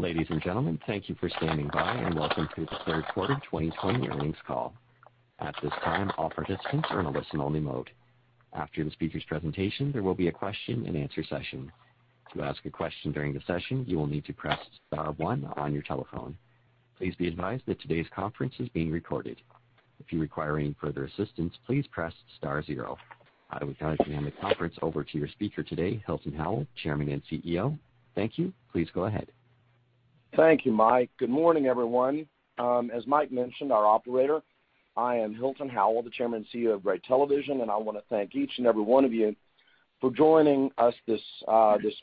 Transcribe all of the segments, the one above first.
Ladies and gentlemen, thank you for standing by, welcome to the third quarter 2020 earnings call. At this time, all participants are in a listen-only mode. After the speaker's presentation, there will be a question and answer session. Please be advised that today's conference is being recorded. I would now hand the conference over to your speaker today, Hilton Howell, Chairman and CEO. Thank you. Please go ahead. Thank you, Mike. Good morning, everyone. As Mike mentioned, our operator, I am Hilton Howell, the Chairman and CEO of Gray Television, and I want to thank each and every one of you for joining us this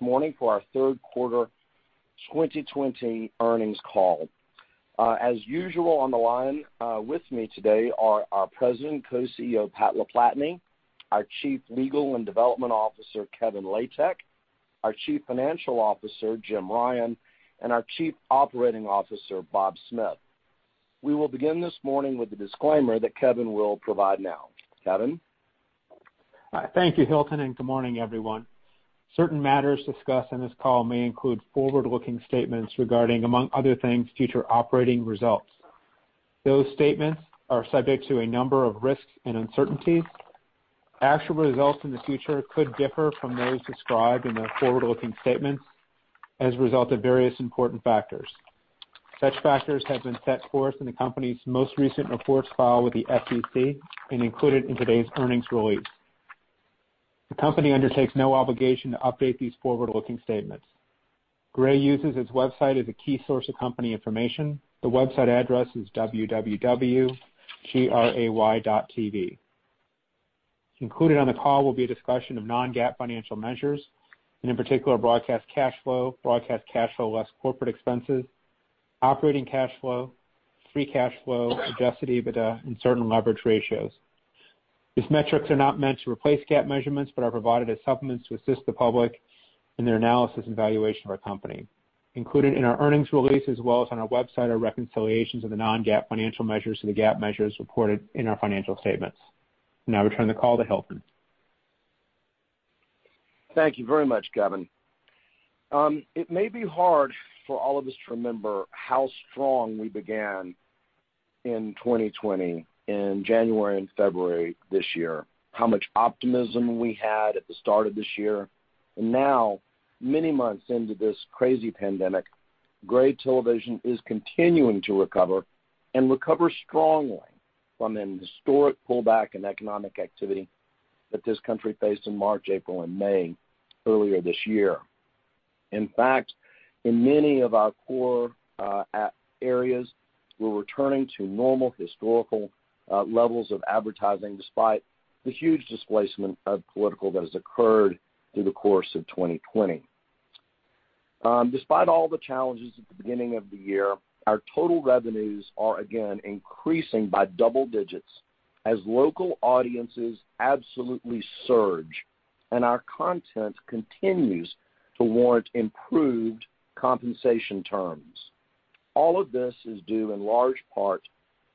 morning for our third quarter 2020 earnings call. As usual, on the line with me today are our President and Co-CEO, Pat LaPlatney, our Chief Legal and Development Officer, Kevin Latek, our Chief Financial Officer, Jim Ryan, and our Chief Operating Officer, Bob Smith. We will begin this morning with the disclaimer that Kevin will provide now. Kevin? Thank you, Hilton, and good morning, everyone. Certain matters discussed on this call may include forward-looking statements regarding, among other things, future operating results. Those statements are subject to a number of risks and uncertainties. Actual results in the future could differ from those described in the forward-looking statements as a result of various important factors. Such factors have been set forth in the company's most recent reports filed with the SEC and included in today's earnings release. The company undertakes no obligation to update these forward-looking statements. Gray uses its website as a key source of company information. The website address is www.gray.tv. Included on the call will be a discussion of non-GAAP financial measures, and in particular, broadcast cash flow, broadcast cash flow less corporate expenses, operating cash flow, free cash flow, adjusted EBITDA, and certain leverage ratios. These metrics are not meant to replace GAAP measurements but are provided as supplements to assist the public in their analysis and valuation of our company. Included in our earnings release, as well as on our website, are reconciliations of the non-GAAP financial measures to the GAAP measures reported in our financial statements. Now I return the call to Hilton. Thank you very much, Kevin. It may be hard for all of us to remember how strong we began in 2020, in January and February this year, how much optimism we had at the start of this year. Now, many months into this crazy pandemic, Gray Television is continuing to recover and recover strongly from an historic pullback in economic activity that this country faced in March, April, and May earlier this year. In fact, in many of our core areas, we're returning to normal historical levels of advertising despite the huge displacement of political that has occurred through the course of 2020. Despite all the challenges at the beginning of the year, our total revenues are again increasing by double digits as local audiences absolutely surge and our content continues to warrant improved compensation terms. All of this is due in large part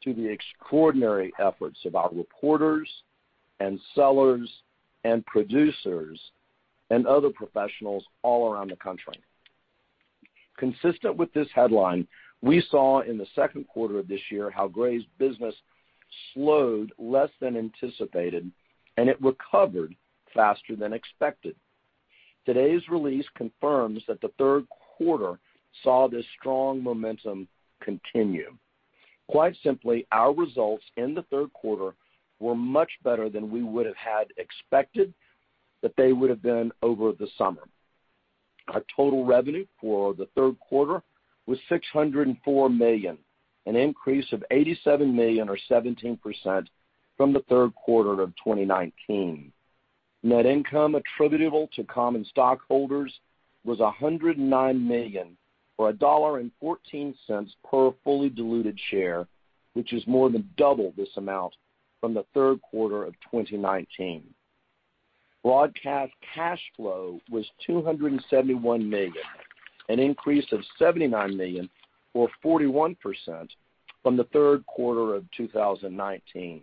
to the extraordinary efforts of our reporters and sellers and producers and other professionals all around the country. Consistent with this headline, we saw in the second quarter of this year how Gray's business slowed less than anticipated, and it recovered faster than expected. Today's release confirms that the third quarter saw this strong momentum continue. Quite simply, our results in the third quarter were much better than we would have had expected that they would have been over the summer. Our total revenue for the third quarter was $604 million, an increase of $87 million or 17% from the third quarter of 2019. Net income attributable to common stockholders was $109 million or $1.14 per fully diluted share, which is more than double this amount from the third quarter of 2019. Broadcast cash flow was $271 million, an increase of $79 million or 41% from the third quarter of 2019.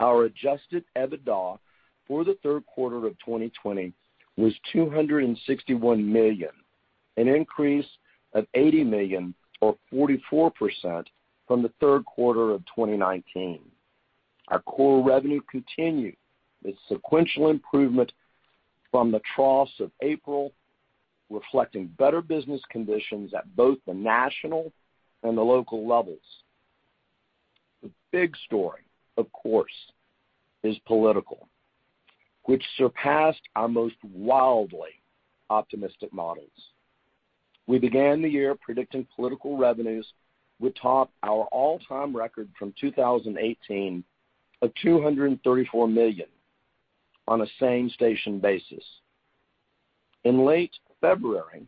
Our adjusted EBITDA for the third quarter of 2020 was $261 million, an increase of $80 million or 44% from the third quarter of 2019. Our core revenue continued its sequential improvement from the trough of April, reflecting better business conditions at both the national and the local levels. The big story, of course, is political, which surpassed our most wildly optimistic models. We began the year predicting political revenues would top our all-time record from 2018 of $234 million on a same station basis. In late February,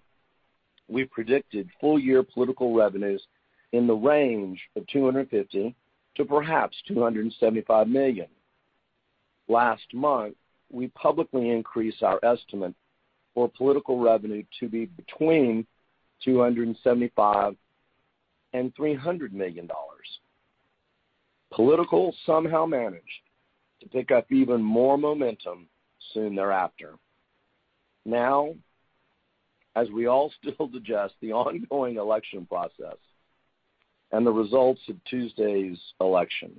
we predicted full-year political revenues in the range of $250 million to perhaps $275 million. Last month, we publicly increased our estimate for political revenue to be between $275 million and $300 million. Political somehow managed to pick up even more momentum soon thereafter. As we all still digest the ongoing election process and the results of Tuesday's election,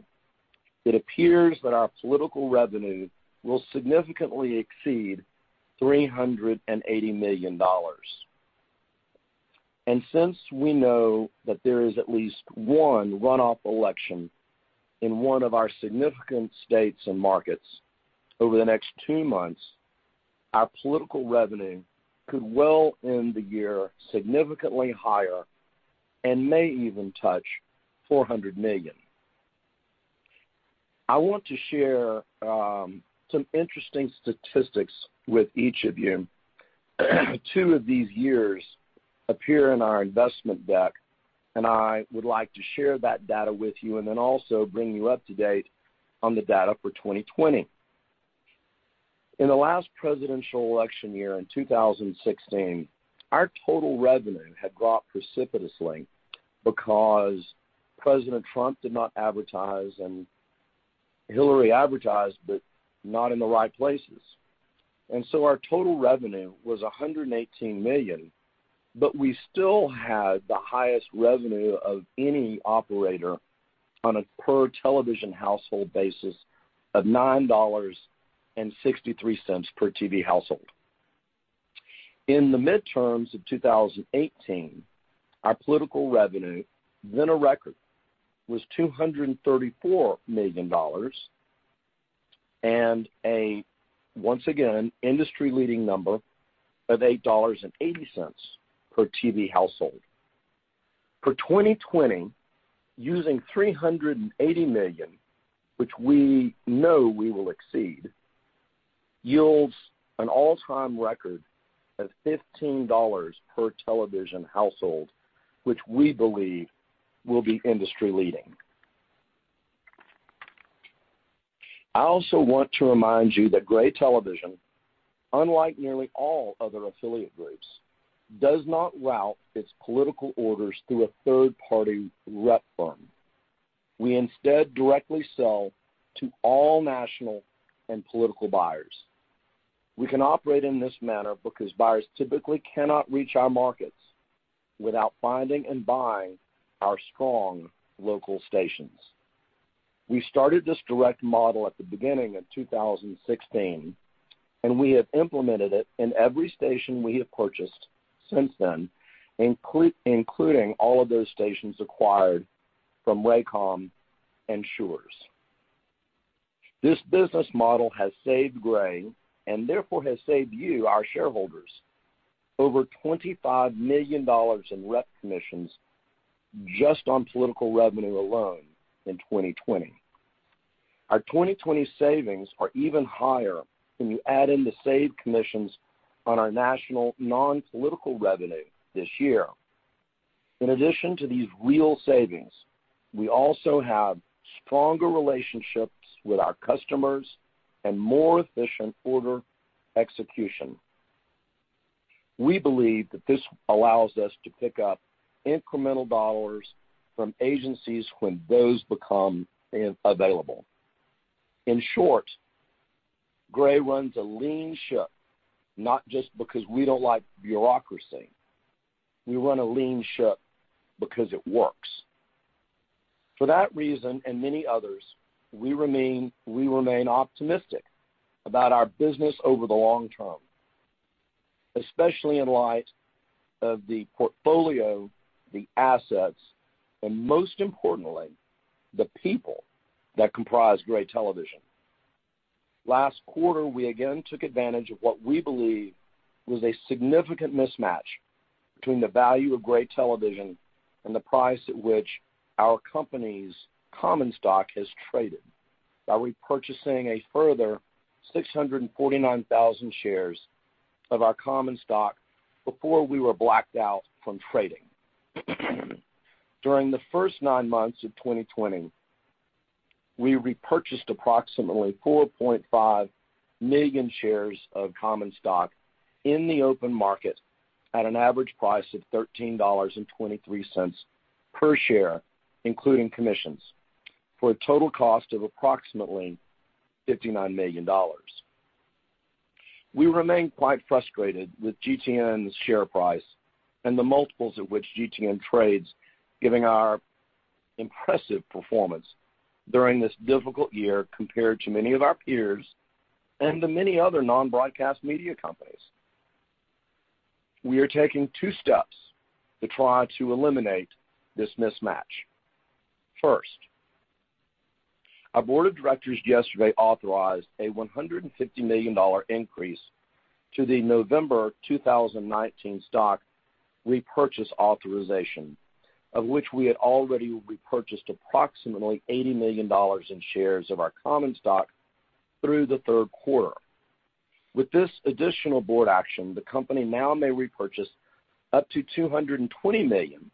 it appears that our political revenue will significantly exceed $380 million. Since we know that there is at least one runoff election in one of our significant states and markets over the next two months, our political revenue could well end the year significantly higher and may even touch $400 million. I want to share some interesting statistics with each of you. Two of these years appear in our investment deck, I would like to share that data with you and then also bring you up to date on the data for 2020. In the last presidential election year in 2016, our total revenue had dropped precipitously because President Trump did not advertise, Hillary advertised, but not in the right places. Our total revenue was $118 million, but we still had the highest revenue of any operator on a per television household basis of $9.63 per TV household. In the midterms of 2018, our political revenue, then a record, was $234 million, and a once again industry-leading number of $8.80 per TV household. For 2020, using $380 million, which we know we will exceed, yields an all-time record of $15 per television household, which we believe will be industry-leading. I also want to remind you that Gray Television, unlike nearly all other affiliate groups, does not route its political orders through a third-party rep firm. We instead directly sell to all national and political buyers. We can operate in this manner because buyers typically cannot reach our markets without finding and buying our strong local stations. We started this direct model at the beginning of 2016, and we have implemented it in every station we have purchased since then, including all of those stations acquired from Raycom and Schurz. This business model has saved Gray, and therefore has saved you, our shareholders, over $25 million in rep commissions just on political revenue alone in 2020. Our 2020 savings are even higher when you add in the saved commissions on our national non-political revenue this year. In addition to these real savings, we also have stronger relationships with our customers and more efficient order execution. We believe that this allows us to pick up incremental dollars from agencies when those become available. In short, Gray runs a lean ship, not just because we don't like bureaucracy. We run a lean ship because it works. For that reason and many others, we remain optimistic about our business over the long term, especially in light of the portfolio, the assets, and most importantly, the people that comprise Gray Television. Last quarter, we again took advantage of what we believe was a significant mismatch between the value of Gray Television and the price at which our company's common stock has traded by repurchasing a further 649,000 shares of our common stock before we were blacked out from trading. During the first nine months of 2020, we repurchased approximately 4.5 million shares of common stock in the open market at an average price of $13.23 per share, including commissions, for a total cost of approximately $59 million. We remain quite frustrated with GTN's share price and the multiples at which GTN trades, given our impressive performance during this difficult year compared to many of our peers and to many other non-broadcast media companies. We are taking two steps to try to eliminate this mismatch. First, our Board of Directors yesterday authorized a $150 million increase to the November 2019 stock repurchase authorization, of which we had already repurchased approximately $80 million in shares of our common stock through the third quarter. With this additional board action, the company now may repurchase up to $220 million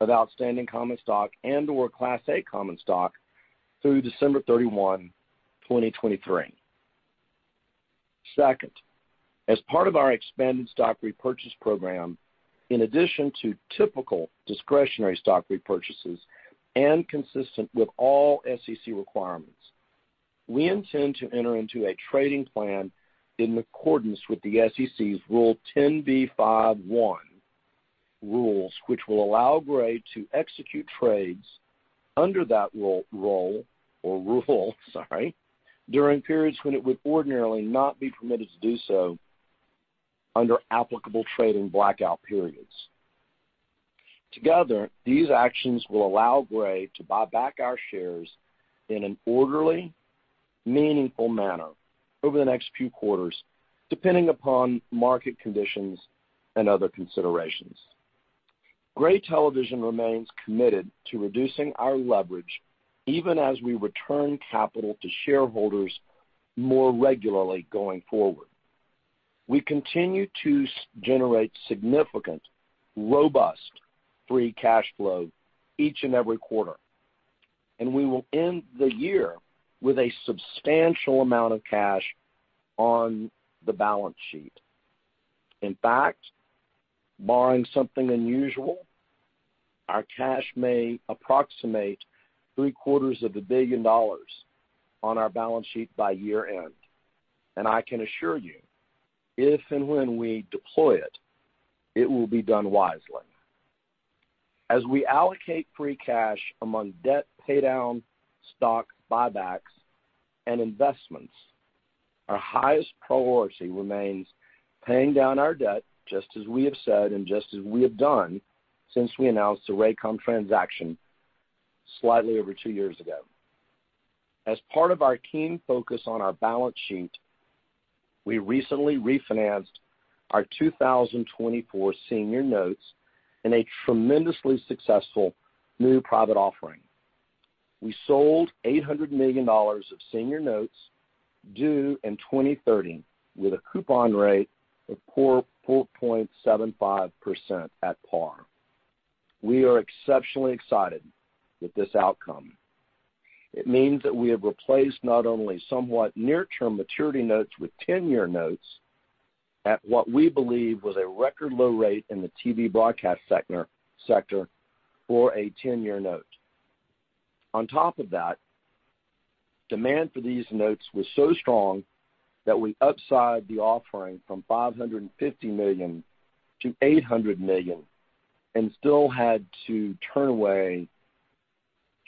of outstanding common stock and/or Class A common stock through December 31, 2023. Second, as part of our expanded stock repurchase program, in addition to typical discretionary stock repurchases and consistent with all SEC requirements, we intend to enter into a trading plan in accordance with the SEC's Rule 10b5-1 rules, which will allow Gray to execute trades under that rule during periods when it would ordinarily not be permitted to do so under applicable trading blackout periods. Together, these actions will allow Gray to buy back our shares in an orderly, meaningful manner over the next few quarters, depending upon market conditions and other considerations. Gray Television remains committed to reducing our leverage even as we return capital to shareholders more regularly going forward. We continue to generate significant, robust free cash flow each and every quarter. We will end the year with a substantial amount of cash on the balance sheet. In fact, barring something unusual, our cash may approximate three-quarters of a billion dollars on our balance sheet by year-end. I can assure you, if and when we deploy it will be done wisely. As we allocate free cash among debt paydown, stock buybacks, and investments, our highest priority remains paying down our debt, just as we have said and just as we have done since we announced the Raycom transaction slightly over two years ago. As part of our keen focus on our balance sheet, we recently refinanced our 2024 senior notes in a tremendously successful new private offering. We sold $800 million of senior notes due in 2030 with a coupon rate of 4.75% at par. We are exceptionally excited with this outcome. It means that we have replaced not only somewhat near-term maturity notes with 10-year notes at what we believe was a record low rate in the TV broadcast sector for a 10-year note. On top of that, demand for these notes was so strong that we upsized the offering from $550 million to $800 million and still had to turn away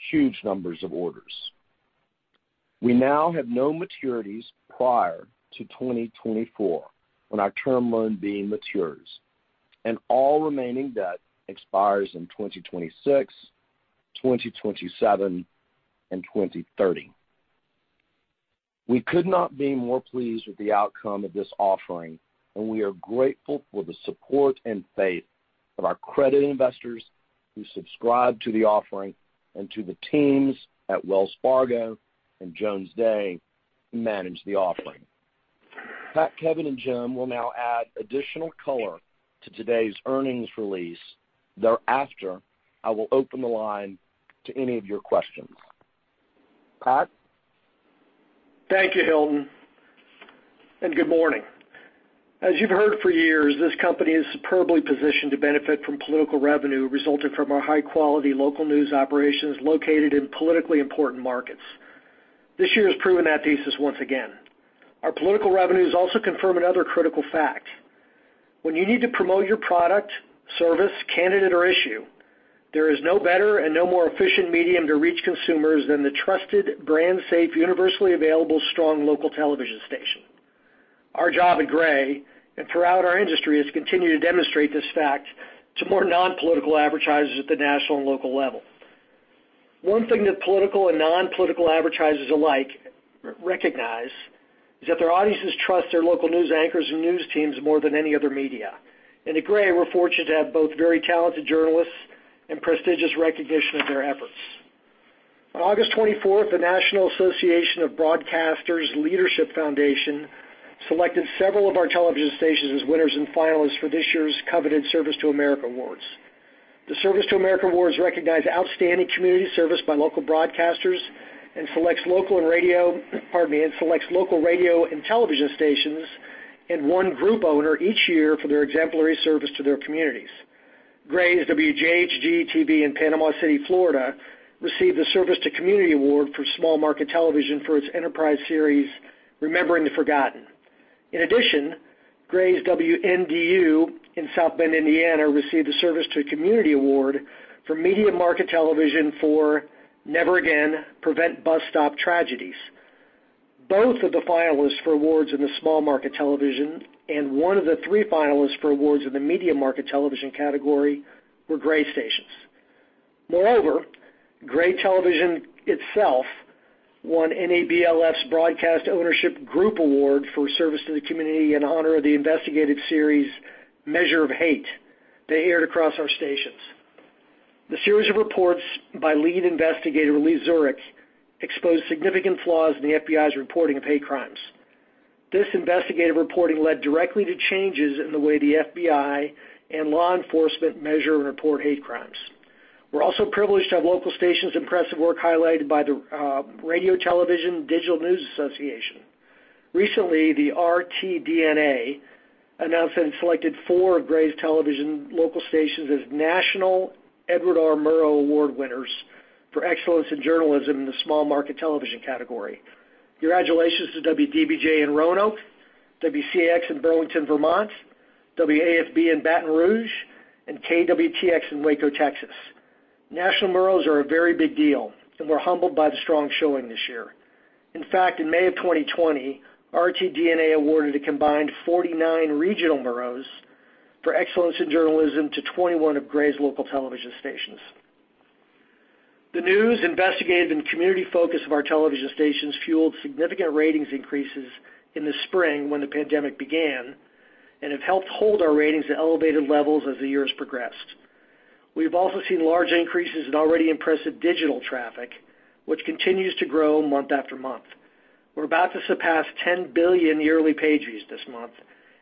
huge numbers of orders. We now have no maturities prior to 2024, when our term loan B matures, and all remaining debt expires in 2026, 2027, and 2030. We could not be more pleased with the outcome of this offering, and we are grateful for the support and faith of our credit investors who subscribed to the offering and to the teams at Wells Fargo and Jones Day who managed the offering. Pat, Kevin, and Jim will now add additional color to today's earnings release, thereafter, I will open the line to any of your questions. Pat? Thank you, Hilton, and good morning. As you've heard for years, this company is superbly positioned to benefit from political revenue resulting from our high-quality local news operations located in politically important markets. This year has proven that thesis once again. Our political revenues also confirm another critical fact. When you need to promote your product, service, candidate, or issue, there is no better and no more efficient medium to reach consumers than the trusted, brand-safe, universally available, strong local television station. Our job at Gray and throughout our industry is to continue to demonstrate this fact to more non-political advertisers at the national and local level. One thing that political and non-political advertisers alike recognize is that their audiences trust their local news anchors and news teams more than any other media. At Gray, we're fortunate to have both very talented journalists and prestigious recognition of their efforts. On August 24th, the National Association of Broadcasters Leadership Foundation selected several of our television stations as winners and finalists for this year's coveted Service to America Awards. The Service to America Awards recognize outstanding community service by local broadcasters, pardon me, and selects local radio and television stations and one group owner each year for their exemplary service to their communities. Gray's WJHG-TV in Panama City, Florida, received the Service to Community Award for small-market television for its enterprise series, Remembering the Forgotten. In addition, Gray's WNDU in South Bend, Indiana, received the Service to Community Award for medium-market television for Never Again: Prevent Bus Stop Tragedies. Both of the finalists for awards in the small-market television and one of the three finalists for awards in the medium-market television category were Gray stations. Gray Television itself won NABLF's Broadcast Ownership Group Award for service to the community in honor of the investigative series Measure of Hate they aired across our stations. The series of reports by lead investigator Lee Zurik exposed significant flaws in the FBI's reporting of hate crimes. This investigative reporting led directly to changes in the way the FBI and law enforcement measure and report hate crimes. We're also privileged to have local stations' impressive work highlighted by the Radio Television Digital News Association. Recently, the RTDNA announced that it selected four of Gray Television local stations as national Edward R. Murrow Award winners for excellence in journalism in the small market television category. Congratulations to WDBJ in Roanoke, WCAX in Burlington, Vermont, WAFB in Baton Rouge, and KWTX in Waco, Texas. National Murrows are a very big deal, we're humbled by the strong showing this year. In fact, in May of 2020, RTDNA awarded a combined 49 regional Murrows for excellence in journalism to 21 of Gray's local television stations. The news, investigative, and community focus of our television stations fueled significant ratings increases in the spring when the pandemic began, and have helped hold our ratings at elevated levels as the year has progressed. We've also seen large increases in already impressive digital traffic, which continues to grow month after month. We are about to surpass 10 billion yearly page views this month,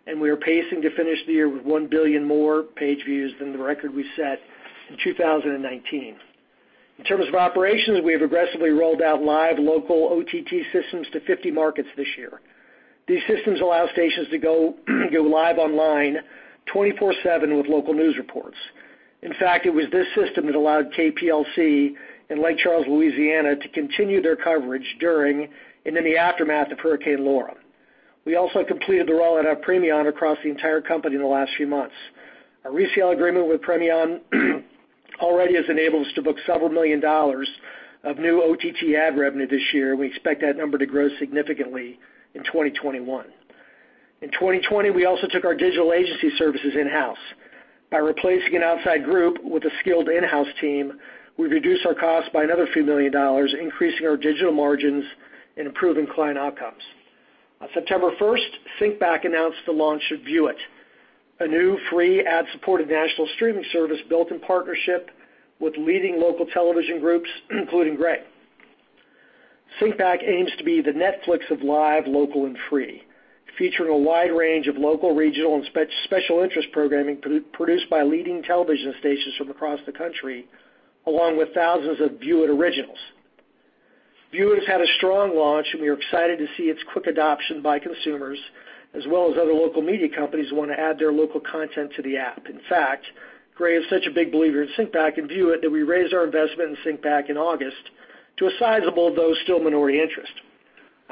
and we are pacing to finish the year with one billion more page views than the record we set in 2019. In terms of operations, we have aggressively rolled out live local OTT systems to 50 markets this year. These systems allow stations to go live online 24/7 with local news reports. In fact, it was this system that allowed KPLC in Lake Charles, Louisiana, to continue their coverage during and in the aftermath of Hurricane Laura. We also completed the rollout of Premion across the entire company in the last few months. Our resale agreement with Premion already has enabled us to book several million dollars of new OTT ad revenue this year. We expect that number to grow significantly in 2021. In 2020, we also took our digital agency services in-house. By replacing an outside group with a skilled in-house team, we've reduced our costs by another few million dollars, increasing our digital margins and improving client outcomes. On September 1st, Syncbak announced the launch of VUit, a new free ad-supported national streaming service built in partnership with leading local television groups, including Gray. Syncbak aims to be the Netflix of live, local, and free, featuring a wide range of local, regional, and special interest programming produced by leading television stations from across the country, along with thousands of VUit originals. VUit has had a strong launch. We are excited to see its quick adoption by consumers as well as other local media companies who want to add their local content to the app. In fact, Gray is such a big believer in Syncbak and VUit that we raised our investment in Syncbak in August to a sizable, though still minority interest.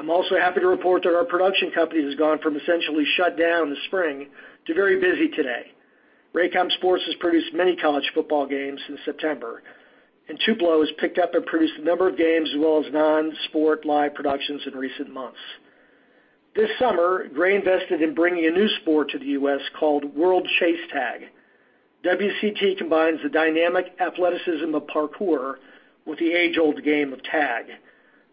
I am also happy to report that our production company has gone from essentially shut down this spring to very busy today. Raycom Sports has produced many college football games since September. Tupelo has picked up and produced a number of games as well as non-sport live productions in recent months. This summer, Gray invested in bringing a new sport to the U.S. called World Chase Tag. WCT combines the dynamic athleticism of parkour with the age-old game of tag.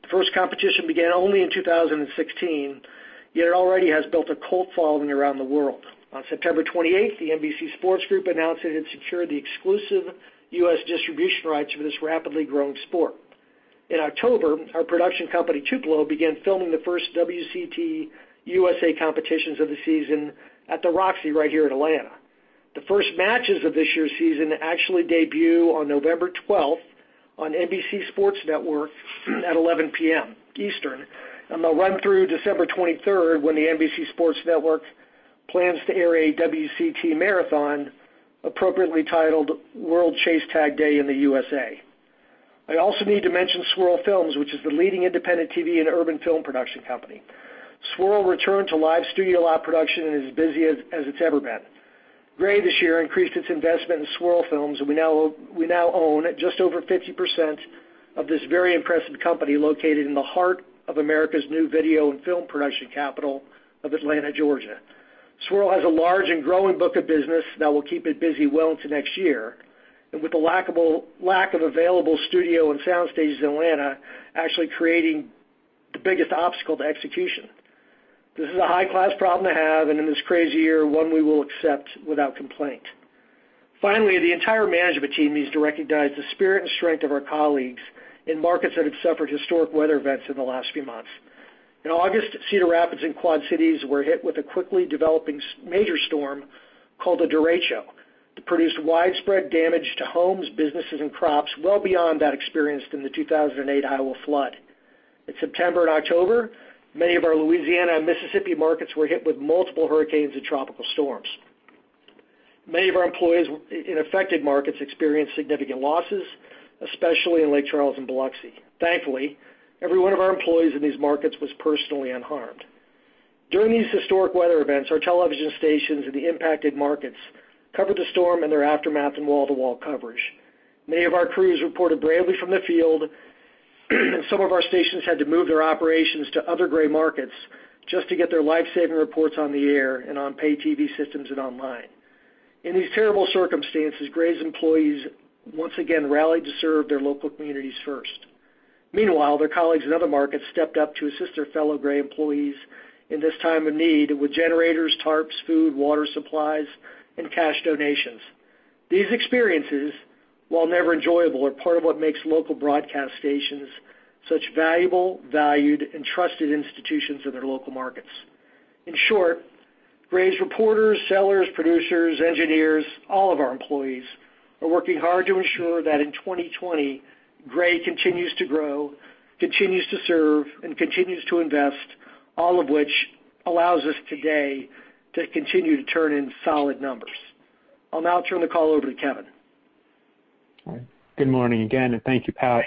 The first competition began only in 2016, yet it already has built a cult following around the world. On September 28th, the NBC Sports Group announced that it had secured the exclusive U.S. distribution rights for this rapidly growing sport. In October, our production company, Tupelo, began filming the first WCT USA competitions of the season at The Roxy right here in Atlanta. The first matches of this year's season actually debut on November 12th on NBC Sports Network at 11:00 P.M. Eastern, and they'll run through December 23rd, when the NBC Sports Network plans to air a WCT marathon appropriately titled World Chase Tag Day in the USA. I also need to mention Swirl Films, which is the leading independent TV and urban film production company. Swirl returned to live studio lot production and is as busy as it's ever been. Gray this year increased its investment in Swirl Films, and we now own just over 50% of this very impressive company located in the heart of America's new video and film production capital of Atlanta, Georgia. Swirl has a large and growing book of business that will keep it busy well into next year, and with the lack of available studio and sound stages in Atlanta actually creating the biggest obstacle to execution. This is a high-class problem to have, and in this crazy year, one we will accept without complaint. Finally, the entire management team needs to recognize the spirit and strength of our colleagues in markets that have suffered historic weather events in the last few months. In August, Cedar Rapids and Quad Cities were hit with a quickly developing major storm called a derecho that produced widespread damage to homes, businesses, and crops well beyond that experienced in the 2008 Iowa flood. In September and October, many of our Louisiana and Mississippi markets were hit with multiple hurricanes and tropical storms. Many of our employees in affected markets experienced significant losses, especially in Lake Charles and Biloxi. Thankfully, every one of our employees in these markets was personally unharmed. During these historic weather events, our television stations in the impacted markets covered the storm and their aftermath in wall-to-wall coverage. Many of our crews reported bravely from the field, and some of our stations had to move their operations to other Gray markets just to get their life-saving reports on the air and on pay TV systems and online. In these terrible circumstances, Gray's employees once again rallied to serve their local communities first. Meanwhile, their colleagues in other markets stepped up to assist their fellow Gray employees in this time of need with generators, tarps, food, water supplies, and cash donations. These experiences, while never enjoyable, are part of what makes local broadcast stations such valuable, valued, and trusted institutions in their local markets. In short, Gray's reporters, sellers, producers, engineers, all of our employees are working hard to ensure that in 2020, Gray continues to grow, continues to serve, and continues to invest, all of which allows us today to continue to turn in solid numbers. I'll now turn the call over to Kevin. Good morning again, and thank you, Pat.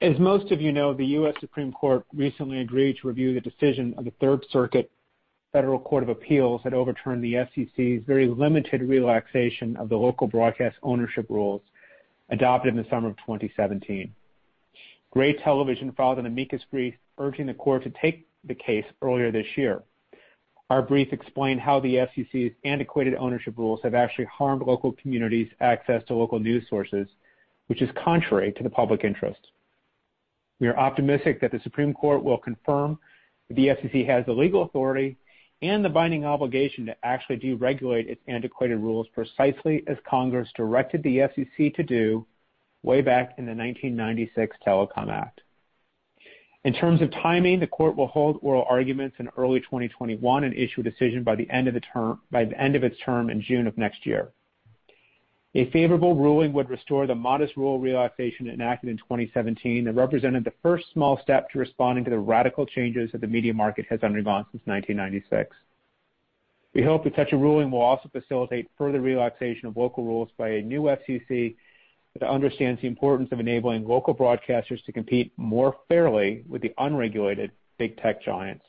As most of you know, the U.S. Supreme Court recently agreed to review the decision of the Third Circuit Court of Appeals that overturned the FCC's very limited relaxation of the local broadcast ownership rules adopted in the summer of 2017. Gray Television filed an amicus brief urging the court to take the case earlier this year. Our brief explained how the FCC's antiquated ownership rules have actually harmed local communities' access to local news sources, which is contrary to the public interest. We are optimistic that the Supreme Court will confirm the FCC has the legal authority and the binding obligation to actually deregulate its antiquated rules precisely as Congress directed the FCC to do way back in the 1996 Telecom Act. In terms of timing, the court will hold oral arguments in early 2021 and issue a decision by the end of its term in June of next year. A favorable ruling would restore the modest rule relaxation enacted in 2017 that represented the first small step to responding to the radical changes that the media market has undergone since 1996. We hope that such a ruling will also facilitate further relaxation of local rules by a new FCC that understands the importance of enabling local broadcasters to compete more fairly with the unregulated big tech giants.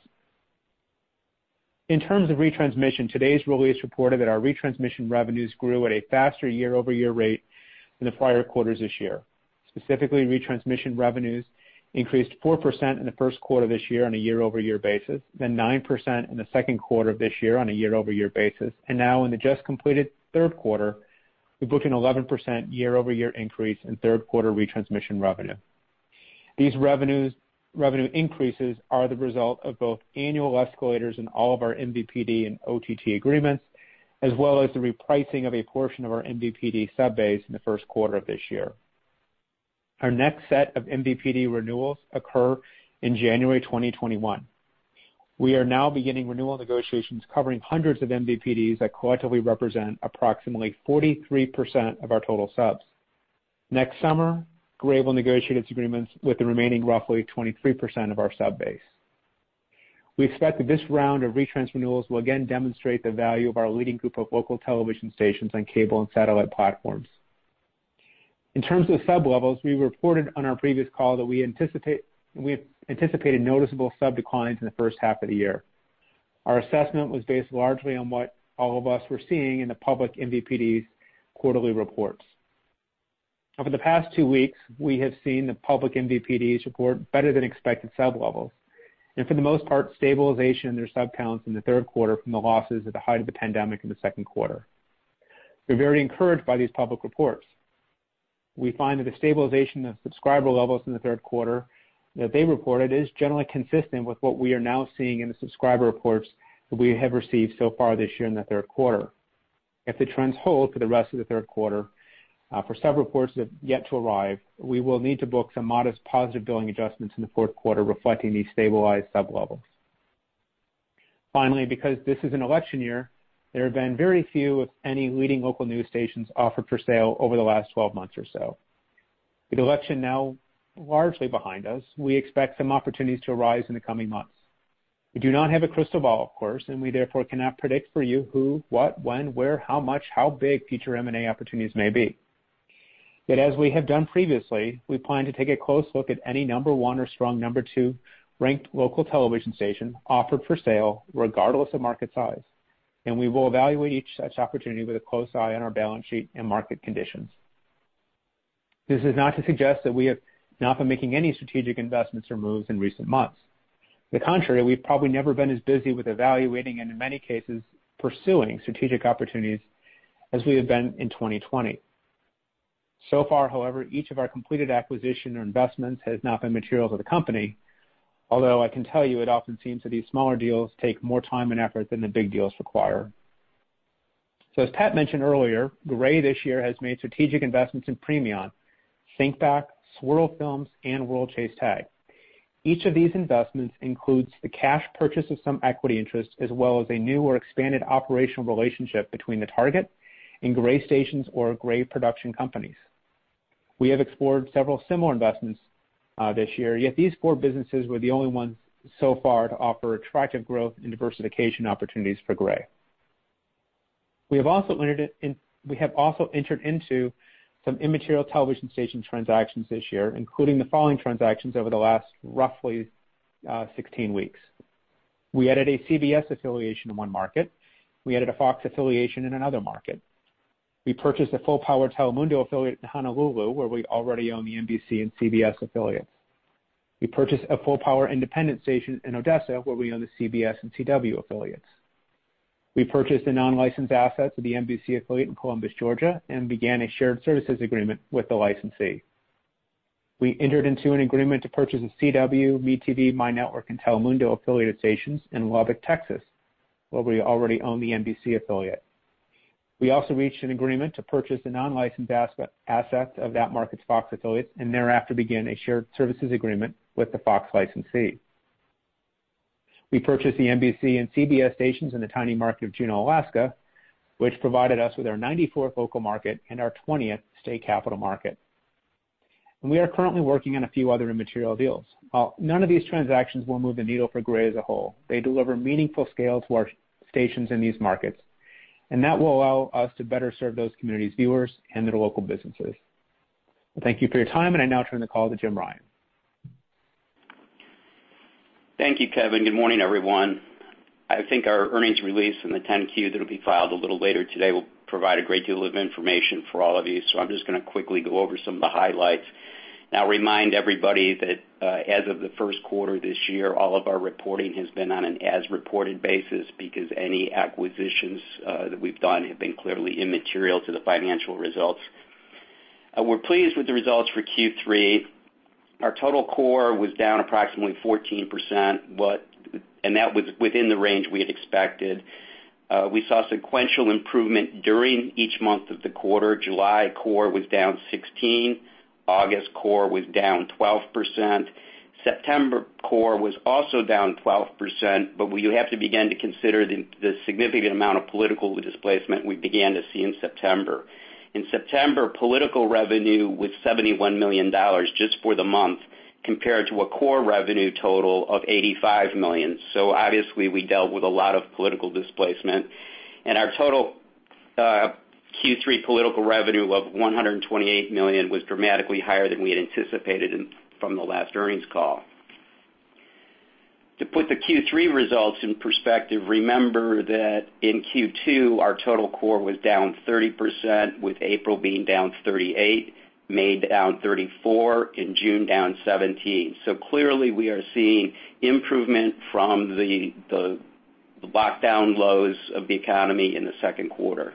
In terms of retransmission, today's release reported that our retransmission revenues grew at a faster year-over-year rate than the prior quarters this year. Specifically, retransmission revenues increased 4% in the first quarter of this year on a year-over-year basis, then 9% in the second quarter of this year on a year-over-year basis, and now in the just completed third quarter, we book an 11% year-over-year increase in third quarter retransmission revenue. These revenue increases are the result of both annual escalators in all of our MVPD and OTT agreements, as well as the repricing of a portion of our MVPD sub base in the first quarter of this year. Our next set of MVPD renewals occur in January 2021. We are now beginning renewal negotiations covering hundreds of MVPDs that collectively represent approximately 43% of our total subs. Next summer, Gray will negotiate its agreements with the remaining roughly 23% of our sub base. We expect that this round of retrans renewals will again demonstrate the value of our leading group of local television stations on cable and satellite platforms. In terms of sub levels, we reported on our previous call that we anticipated noticeable sub declines in the first half of the year. Our assessment was based largely on what all of us were seeing in the public MVPD's quarterly reports. Over the past two weeks, we have seen the public MVPDs report better than expected sub-levels, and for the most part, stabilization in their sub counts in the third quarter from the losses at the height of the pandemic in the second quarter. We're very encouraged by these public reports. We find that the stabilization of subscriber levels in the third quarter that they reported is generally consistent with what we are now seeing in the subscriber reports that we have received so far this year in the third quarter. If the trends hold for the rest of the third quarter for sub reports that have yet to arrive, we will need to book some modest positive billing adjustments in the fourth quarter reflecting these stabilized sub-levels. Finally, because this is an election year, there have been very few, if any, leading local news stations offered for sale over the last 12 months or so. With the election now largely behind us, we expect some opportunities to arise in the coming months. We do not have a crystal ball, of course, and we therefore cannot predict for you who, what, when, where, how much, how big future M&A opportunities may be. Yet, as we have done previously, we plan to take a close look at any number one or strong number two-ranked local television station offered for sale regardless of market size, and we will evaluate each such opportunity with a close eye on our balance sheet and market conditions. This is not to suggest that we have not been making any strategic investments or moves in recent months. To the contrary, we've probably never been as busy with evaluating and in many cases, pursuing strategic opportunities as we have been in 2020. Far, however, each of our completed acquisition or investments has not been material to the company, although I can tell you it often seems that these smaller deals take more time and effort than the big deals require. As Pat mentioned earlier, Gray this year has made strategic investments in Premion, Syncbak, Swirl Films, and World Chase Tag. Each of these investments includes the cash purchase of some equity interest, as well as a new or expanded operational relationship between the target and Gray stations or Gray production companies. We have explored several similar investments this year, yet these four businesses were the only ones so far to offer attractive growth and diversification opportunities for Gray. We have also entered into some immaterial television station transactions this year, including the following transactions over the last roughly 16 weeks. We added a CBS affiliation in one market. We added a Fox affiliation in another market. We purchased a full power Telemundo affiliate in Honolulu, where we already own the NBC and CBS affiliates. We purchased a full power independent station in Odessa where we own the CBS and The CW affiliates. We purchased an unlicensed asset to the NBC affiliate in Columbus, Georgia, and began a shared services agreement with the licensee. We entered into an agreement to purchase a The CW, MeTV, MyNetworkTV, and Telemundo affiliate stations in Lubbock, Texas, where we already own the NBC affiliate. We also reached an agreement to purchase a non-licensed asset of that market's Fox affiliates, and thereafter begin a shared services agreement with the Fox licensee. We purchased the NBC and CBS stations in the tiny market of Juneau, Alaska, which provided us with our 94th local market and our 20th state capital market. We are currently working on a few other immaterial deals. While none of these transactions will move the needle for Gray as a whole, they deliver meaningful scale to our stations in these markets, and that will allow us to better serve those communities' viewers and their local businesses. Thank you for your time, and I now turn the call to Jim Ryan. Thank you, Kevin. Good morning, everyone. I think our earnings release and the 10-Q that will be filed a little later today will provide a great deal of information for all of you. I'm just going to quickly go over some of the highlights. Now, remind everybody that, as of the first quarter this year, all of our reporting has been on an as-reported basis because any acquisitions that we've done have been clearly immaterial to the financial results. We're pleased with the results for Q3. Our total core was down approximately 14%, and that was within the range we had expected. We saw sequential improvement during each month of the quarter. July, core was down 16%. August, core was down 12%. September, core was also down 12%, you have to begin to consider the significant amount of political displacement we began to see in September. In September, political revenue was $71 million just for the month, compared to a core revenue total of $85 million. Obviously, we dealt with a lot of political displacement, and our total Q3 political revenue of $128 million was dramatically higher than we had anticipated from the last earnings call. To put the Q3 results in perspective, remember that in Q2, our total core was down 30%, with April being down 38%, May down 34%, and June down 17%. Clearly, we are seeing improvement from the lockdown lows of the economy in the second quarter.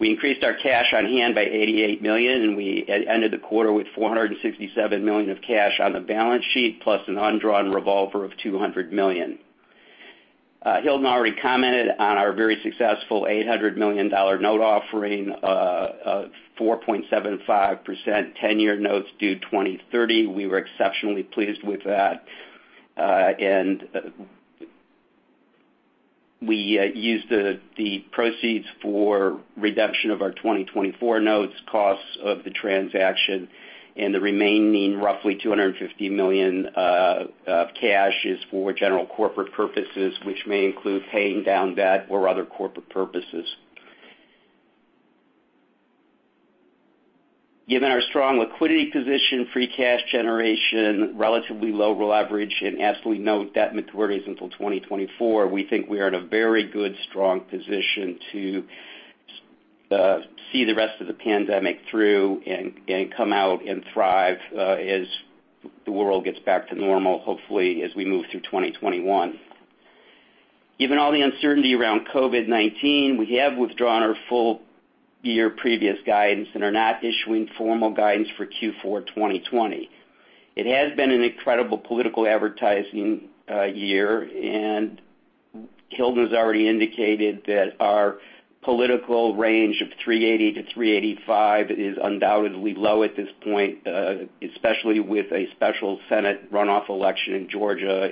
We increased our cash on hand by $88 million, and we ended the quarter with $467 million of cash on the balance sheet, plus an undrawn revolver of $200 million. Hilton already commented on our very successful $800 million note offering of 4.75% 10-year notes due 2030. We were exceptionally pleased with that. We used the proceeds for redemption of our 2024 notes, costs of the transaction, and the remaining roughly $250 million of cash is for general corporate purposes, which may include paying down debt or other corporate purposes. Given our strong liquidity position, free cash generation, relatively low leverage, and as we note, debt maturity isn't until 2024, we think we are in a very good, strong position to see the rest of the pandemic through and come out and thrive as the world gets back to normal, hopefully as we move through 2021. Given all the uncertainty around COVID-19, we have withdrawn our full-year previous guidance and are not issuing formal guidance for Q4 2020. It has been an incredible political advertising year, Hilton's already indicated that our political range of 380-385 is undoubtedly low at this point, especially with a special Senate runoff election in Georgia.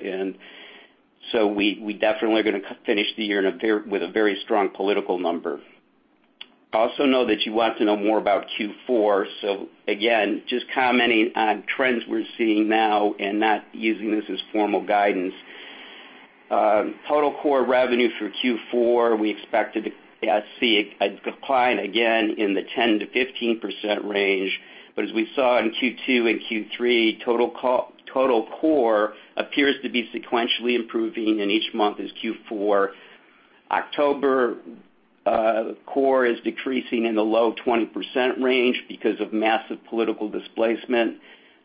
We definitely are going to finish the year with a very strong political number. I also know that you want to know more about Q4. Again, just commenting on trends we're seeing now and not using this as formal guidance. Total core revenue for Q4, we expected to see a decline again in the 10%-15% range, but as we saw in Q2 and Q3, total core appears to be sequentially improving in each month in Q4. October core is decreasing in the low 20% range because of massive political displacement.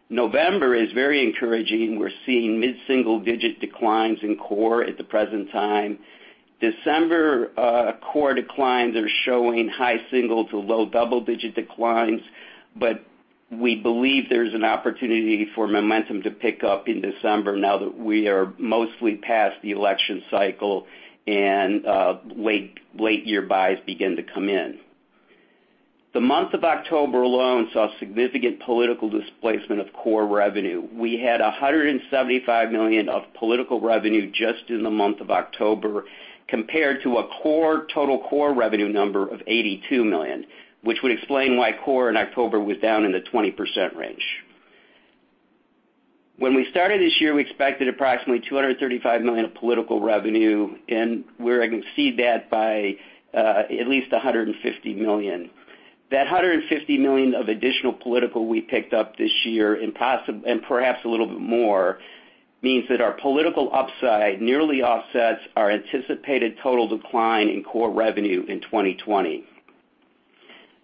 November is very encouraging. We're seeing mid-single-digit declines in core at the present time. December core declines are showing high single to low double-digit declines. We believe there's an opportunity for momentum to pick up in December now that we are mostly past the election cycle and late-year buys begin to come in. The month of October alone saw significant political displacement of core revenue. We had $175 million of political revenue just in the month of October, compared to a total core revenue number of $82 million, which would explain why core in October was down in the 20% range. When we started this year, we expected approximately $235 million of political revenue, and we're going to exceed that by at least $150 million. That $150 million of additional political we picked up this year and perhaps a little bit more, means that our political upside nearly offsets our anticipated total decline in core revenue in 2020.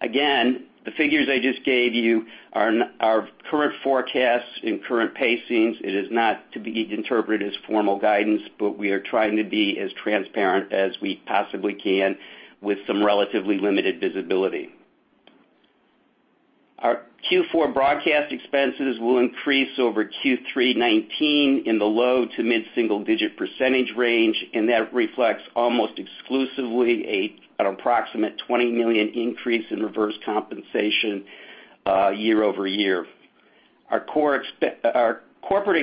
Again, the figures I just gave you are current forecasts and current pacings. It is not to be interpreted as formal guidance, but we are trying to be as transparent as we possibly can with some relatively limited visibility. Q4 broadcast expenses will increase over Q3 2019 in the low to mid-single-digit percentage range, and that reflects almost exclusively an approximate $20 million increase in reverse compensation year-over-year. Our corporate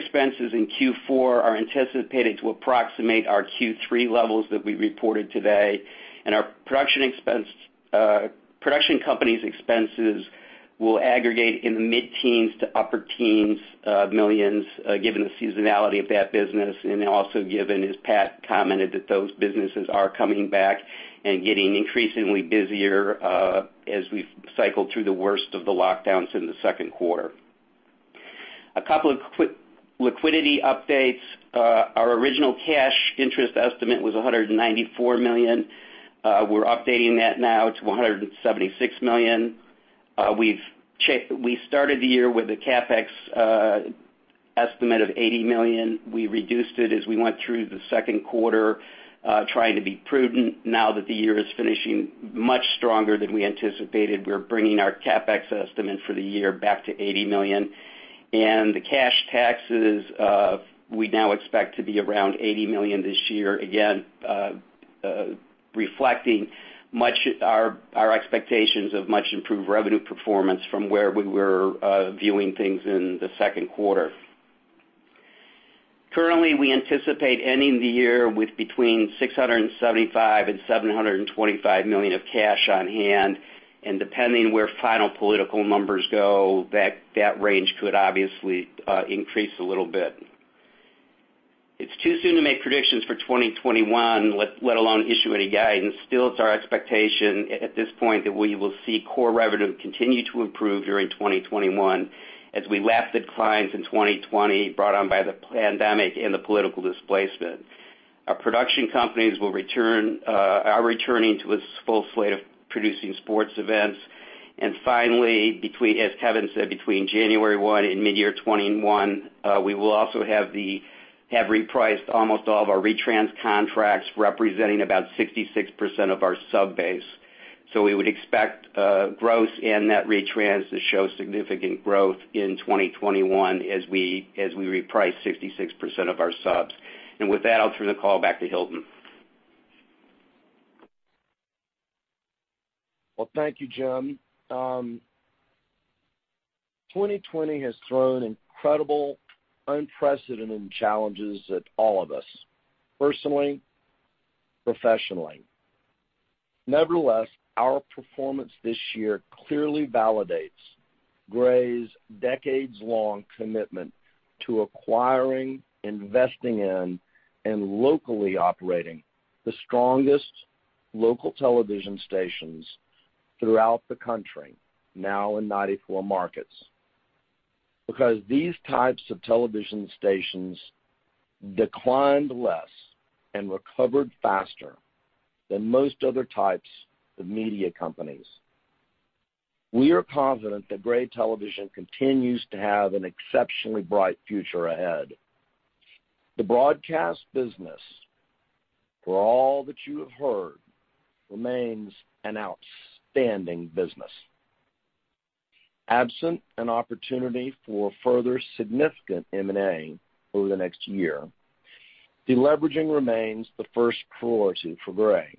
expenses in Q4 are anticipated to approximate our Q3 levels that we reported today, and our production company's expenses will aggregate in the mid-teens to upper teens of millions, given the seasonality of that business, and also given, as Pat commented, that those businesses are coming back and getting increasingly busier as we've cycled through the worst of the lockdowns in the second quarter. A couple of quick liquidity updates. Our original cash interest estimate was $194 million. We're updating that now to $176 million. We started the year with a CapEx estimate of $80 million. We reduced it as we went through the second quarter, trying to be prudent. Now that the year is finishing much stronger than we anticipated, we're bringing our CapEx estimate for the year back to $80 million. The cash taxes, we now expect to be around $80 million this year, again reflecting our expectations of much improved revenue performance from where we were viewing things in the second quarter. Currently, we anticipate ending the year with between $675 million and $725 million of cash on hand, and depending where final political numbers go, that range could obviously increase a little bit. It's too soon to make predictions for 2021, let alone issue any guidance. Still, it's our expectation at this point that we will see core revenue continue to improve during 2021 as we lap the declines in 2020 brought on by the pandemic and the political displacement. Our production companies are returning to a full slate of producing sports events. Finally, as Kevin said, between January 1 and midyear 2021, we will also have repriced almost all of our retrans contracts, representing about 66% of our sub base. We would expect gross and net retrans to show significant growth in 2021 as we reprice 66% of our subs. With that, I'll turn the call back to Hilton. Well, thank you, Jim. 2020 has thrown incredible, unprecedented challenges at all of us, personally, professionally. Nevertheless, our performance this year clearly validates Gray's decades-long commitment to acquiring, investing in, and locally operating the strongest local television stations throughout the country, now in 94 markets. These types of television stations declined less and recovered faster than most other types of media companies. We are confident that Gray Television continues to have an exceptionally bright future ahead. The broadcast business, for all that you have heard, remains an outstanding business. Absent an opportunity for further significant M&A over the next year, deleveraging remains the first priority for Gray.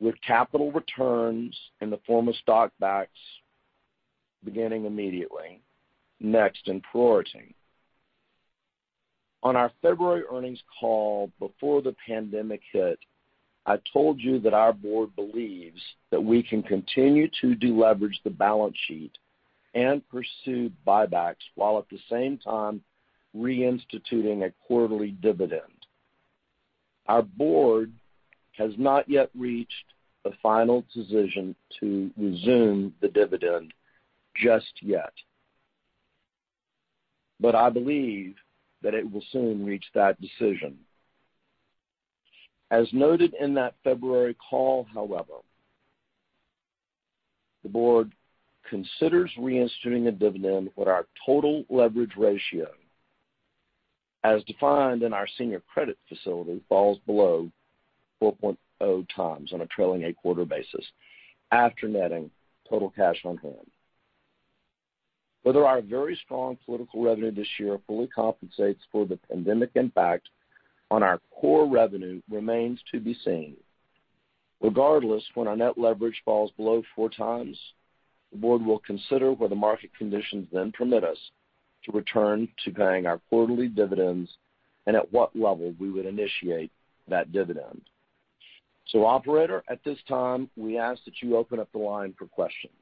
With capital returns in the form of stock buybacks beginning immediately, next in priority. On our February earnings call before the pandemic hit, I told you that our board believes that we can continue to deleverage the balance sheet and pursue buybacks while at the same time reinstituting a quarterly dividend. Our board has not yet reached a final decision to resume the dividend just yet. I believe that it will soon reach that decision. As noted in that February call, however, the board considers reinstating a dividend when our total leverage ratio, as defined in our senior credit facility, falls below 4.0x on a trailing eight quarter basis, after netting total cash on hand. Whether our very strong political revenue this year fully compensates for the pandemic impact on our core revenue remains to be seen. Regardless, when our net leverage falls below 4x, the board will consider whether market conditions then permit us to return to paying our quarterly dividends and at what level we would initiate that dividend. Operator, at this time, we ask that you open up the line for questions.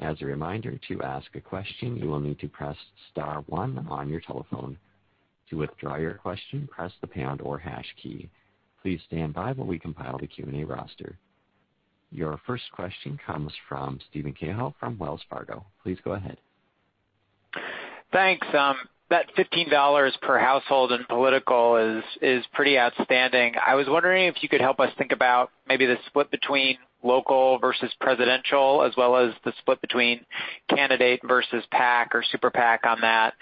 As a reminder, to ask a question, you will need to press star one on your telephone. To withdraw your question, press the pound or hash key. Please stand by while we compile the Q&A roster. Your first question comes from Steven Cahall from Wells Fargo. Please go ahead. Thanks. That $15 per household in political is pretty outstanding. I was wondering if you could help us think about maybe the split between local versus presidential, as well as the split between candidate versus PAC or Super PAC on that.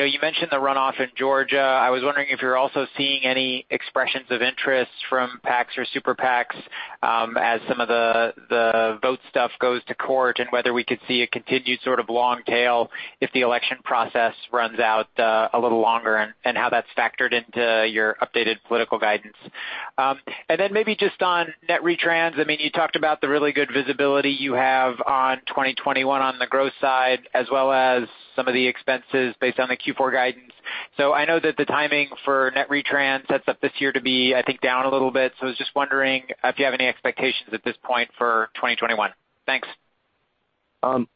You mentioned the runoff in Georgia. I was wondering if you're also seeing any expressions of interest from PACs or Super PACs as some of the vote stuff goes to court, and whether we could see a continued long tail if the election process runs out a little longer, and how that's factored into your updated political guidance. Maybe just on net retrans, you talked about the really good visibility you have on 2021 on the growth side, as well as some of the expenses based on the Q4 guidance. I know that the timing for net retrans sets up this year to be, I think, down a little bit. I was just wondering if you have any expectations at this point for 2021. Thanks.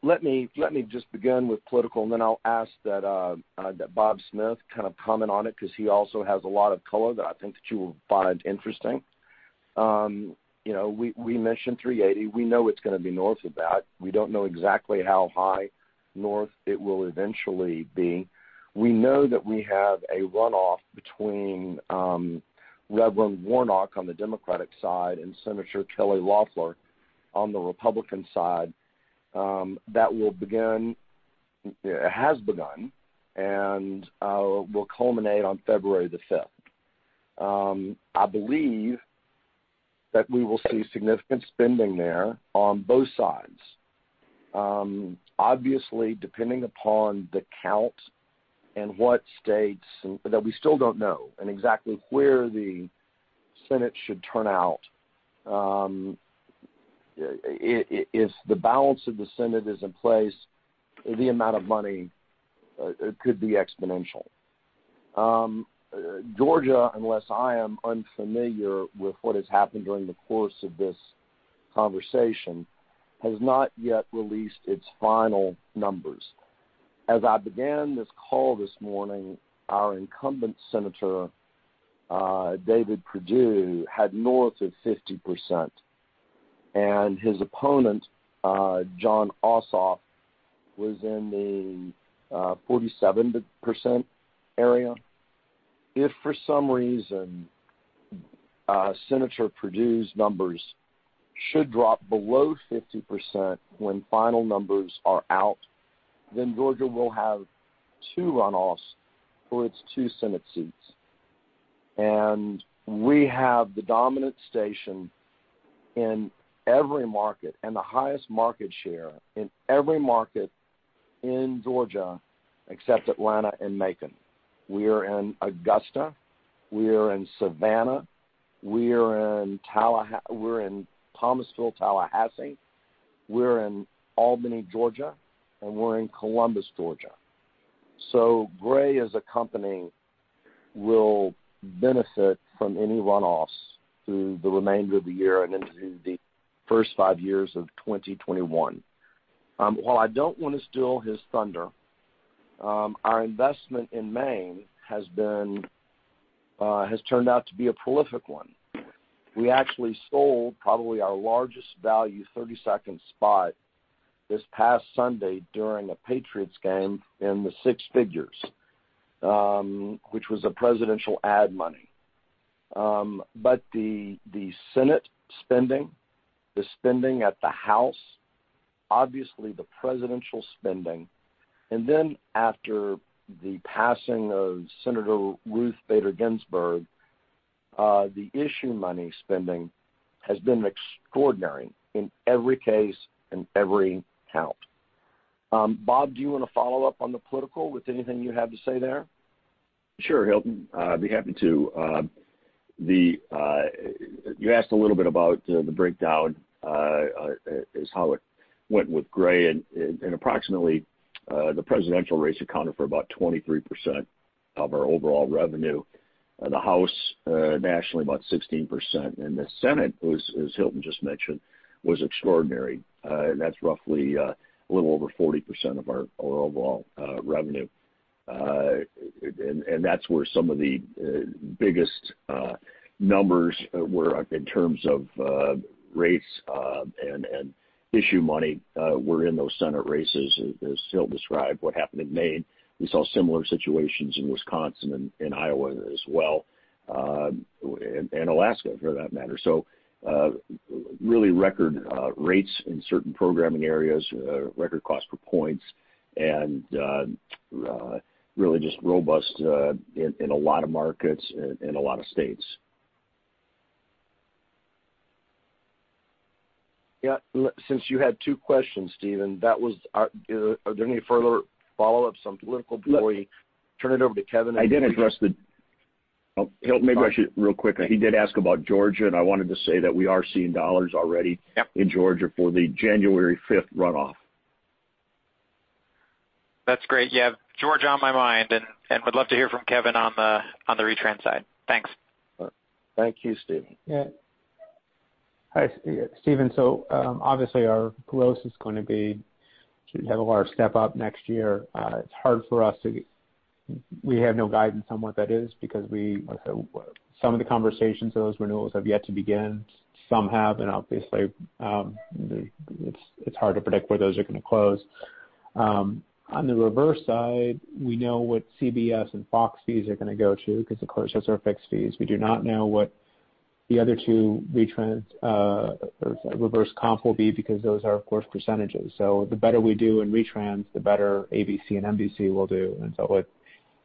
Let me just begin with political, then I'll ask that Bob Smith comment on it, because he also has a lot of color that I think that you will find interesting. We mentioned $380 million. We know it's going to be north of that. We don't know exactly how high north it will eventually be. We know that we have a runoff between Reverend Warnock on the Democratic side and Senator Kelly Loeffler on the Republican side. That has begun and will culminate on February the 5th. I believe that we will see significant spending there on both sides. Depending upon the count and what states, that we still don't know, exactly where the Senate should turn out. If the balance of the Senate is in place, the amount of money could be exponential. Georgia, unless I am unfamiliar with what has happened during the course of this conversation, has not yet released its final numbers. As I began this call this morning, our incumbent senator, David Perdue, had north of 50%, and his opponent, Jon Ossoff, was in the 47% area. If, for some reason, Senator Perdue's numbers should drop below 50% when final numbers are out, then Georgia will have two runoffs for its two Senate seats. We have the dominant station in every market, and the highest market share in every market in Georgia except Atlanta and Macon. We're in Augusta, we're in Savannah, we're in Thomasville, Tallahassee, we're in Albany, Georgia, and we're in Columbus, Georgia. Gray, as a company, will benefit from any runoffs through the remainder of the year and into the first five months of 2021. While I don't want to steal his thunder, our investment in Maine has turned out to be a prolific one. We actually sold probably our largest value 30-second spot this past Sunday during a Patriots game in the six figures, which was the presidential ad money. The Senate spending, the spending at the House, obviously the presidential spending, and then after the passing of Senator Ruth Bader Ginsburg, the issue money spending has been extraordinary in every case and every count. Bob, do you want to follow up on the political with anything you have to say there? Sure, Hilton. I'd be happy to. You asked a little bit about the breakdown, as how it went with Gray, approximately the presidential race accounted for about 23% of our overall revenue. The House, nationally, about 16%. The Senate, as Hilton just mentioned, was extraordinary. That's roughly a little over 40% of our overall revenue. That's where some of the biggest numbers were in terms of rates and issue money were in those Senate races. As Hilton described what happened in Maine, we saw similar situations in Wisconsin and Iowa as well, and Alaska, for that matter. Really record rates in certain programming areas, record cost per points, and really just robust in a lot of markets and a lot of states. Yeah. Since you had two questions, Steven, are there any further follow-ups on political before we turn it over to Kevin? I did address the. Hilton, maybe I should real quickly. He did ask about Georgia. I wanted to say that we are seeing dollars already- Yep. In Georgia for the January 5th runoff. That's great. Yeah. Georgia on my mind, and would love to hear from Kevin on the retrans side. Thanks. Thank you, Steven. Hi, Steven. Obviously our growth should have a large step-up next year. We have no guidance on what that is because some of the conversations for those renewals have yet to begin. Some have, obviously, it's hard to predict where those are going to close. On the reverse side, we know what CBS and Fox fees are going to go to because those are fixed fees. We do not know what the other two retrans, reverse comp will be because those are, of course, percentages. The better we do in retrans, the better ABC and NBC will do.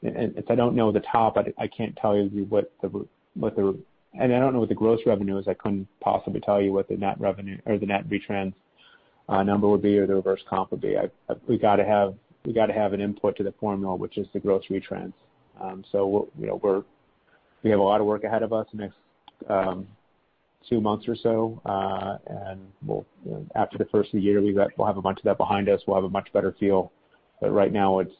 If I don't know the top, I can't tell you what the gross revenue is, I couldn't possibly tell you what the net revenue or the net retrans number would be, or the reverse comp would be. We got to have an input to the formula, which is the gross retrans. We have a lot of work ahead of us next two months or so. After the first of the year, we'll have a bunch of that behind us, we'll have a much better feel. Right now, it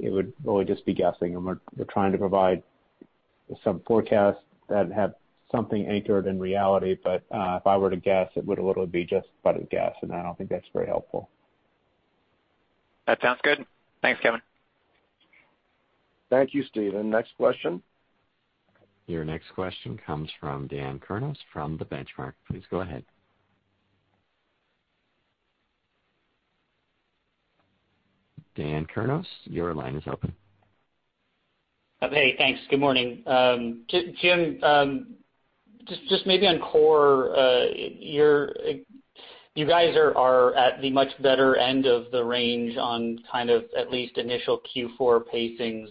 would really just be guessing, and we're trying to provide some forecasts that have something anchored in reality. If I were to guess, it would literally be just but a guess, and I don't think that's very helpful. That sounds good. Thanks, Kevin. Thank you, Steven. Next question. Your next question comes from Dan Kurnos from The Benchmark. Please go ahead. Dan Kurnos, your line is open. Hey, thanks. Good morning. Jim, just maybe on core, you guys are at the much better end of the range on kind of at least initial Q4 pacings,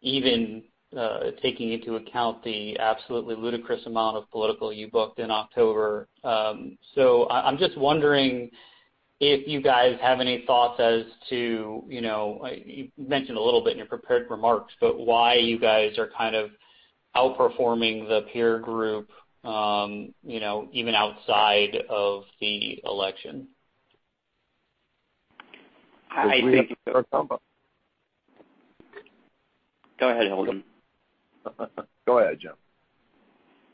even taking into account the absolutely ludicrous amount of political you booked in October. I'm just wondering if you guys have any thoughts as to, you mentioned a little bit in your prepared remarks, but why you guys are kind of outperforming the peer group even outside of the election? I think- We have good combo. Go ahead, Hilton. Go ahead, Jim.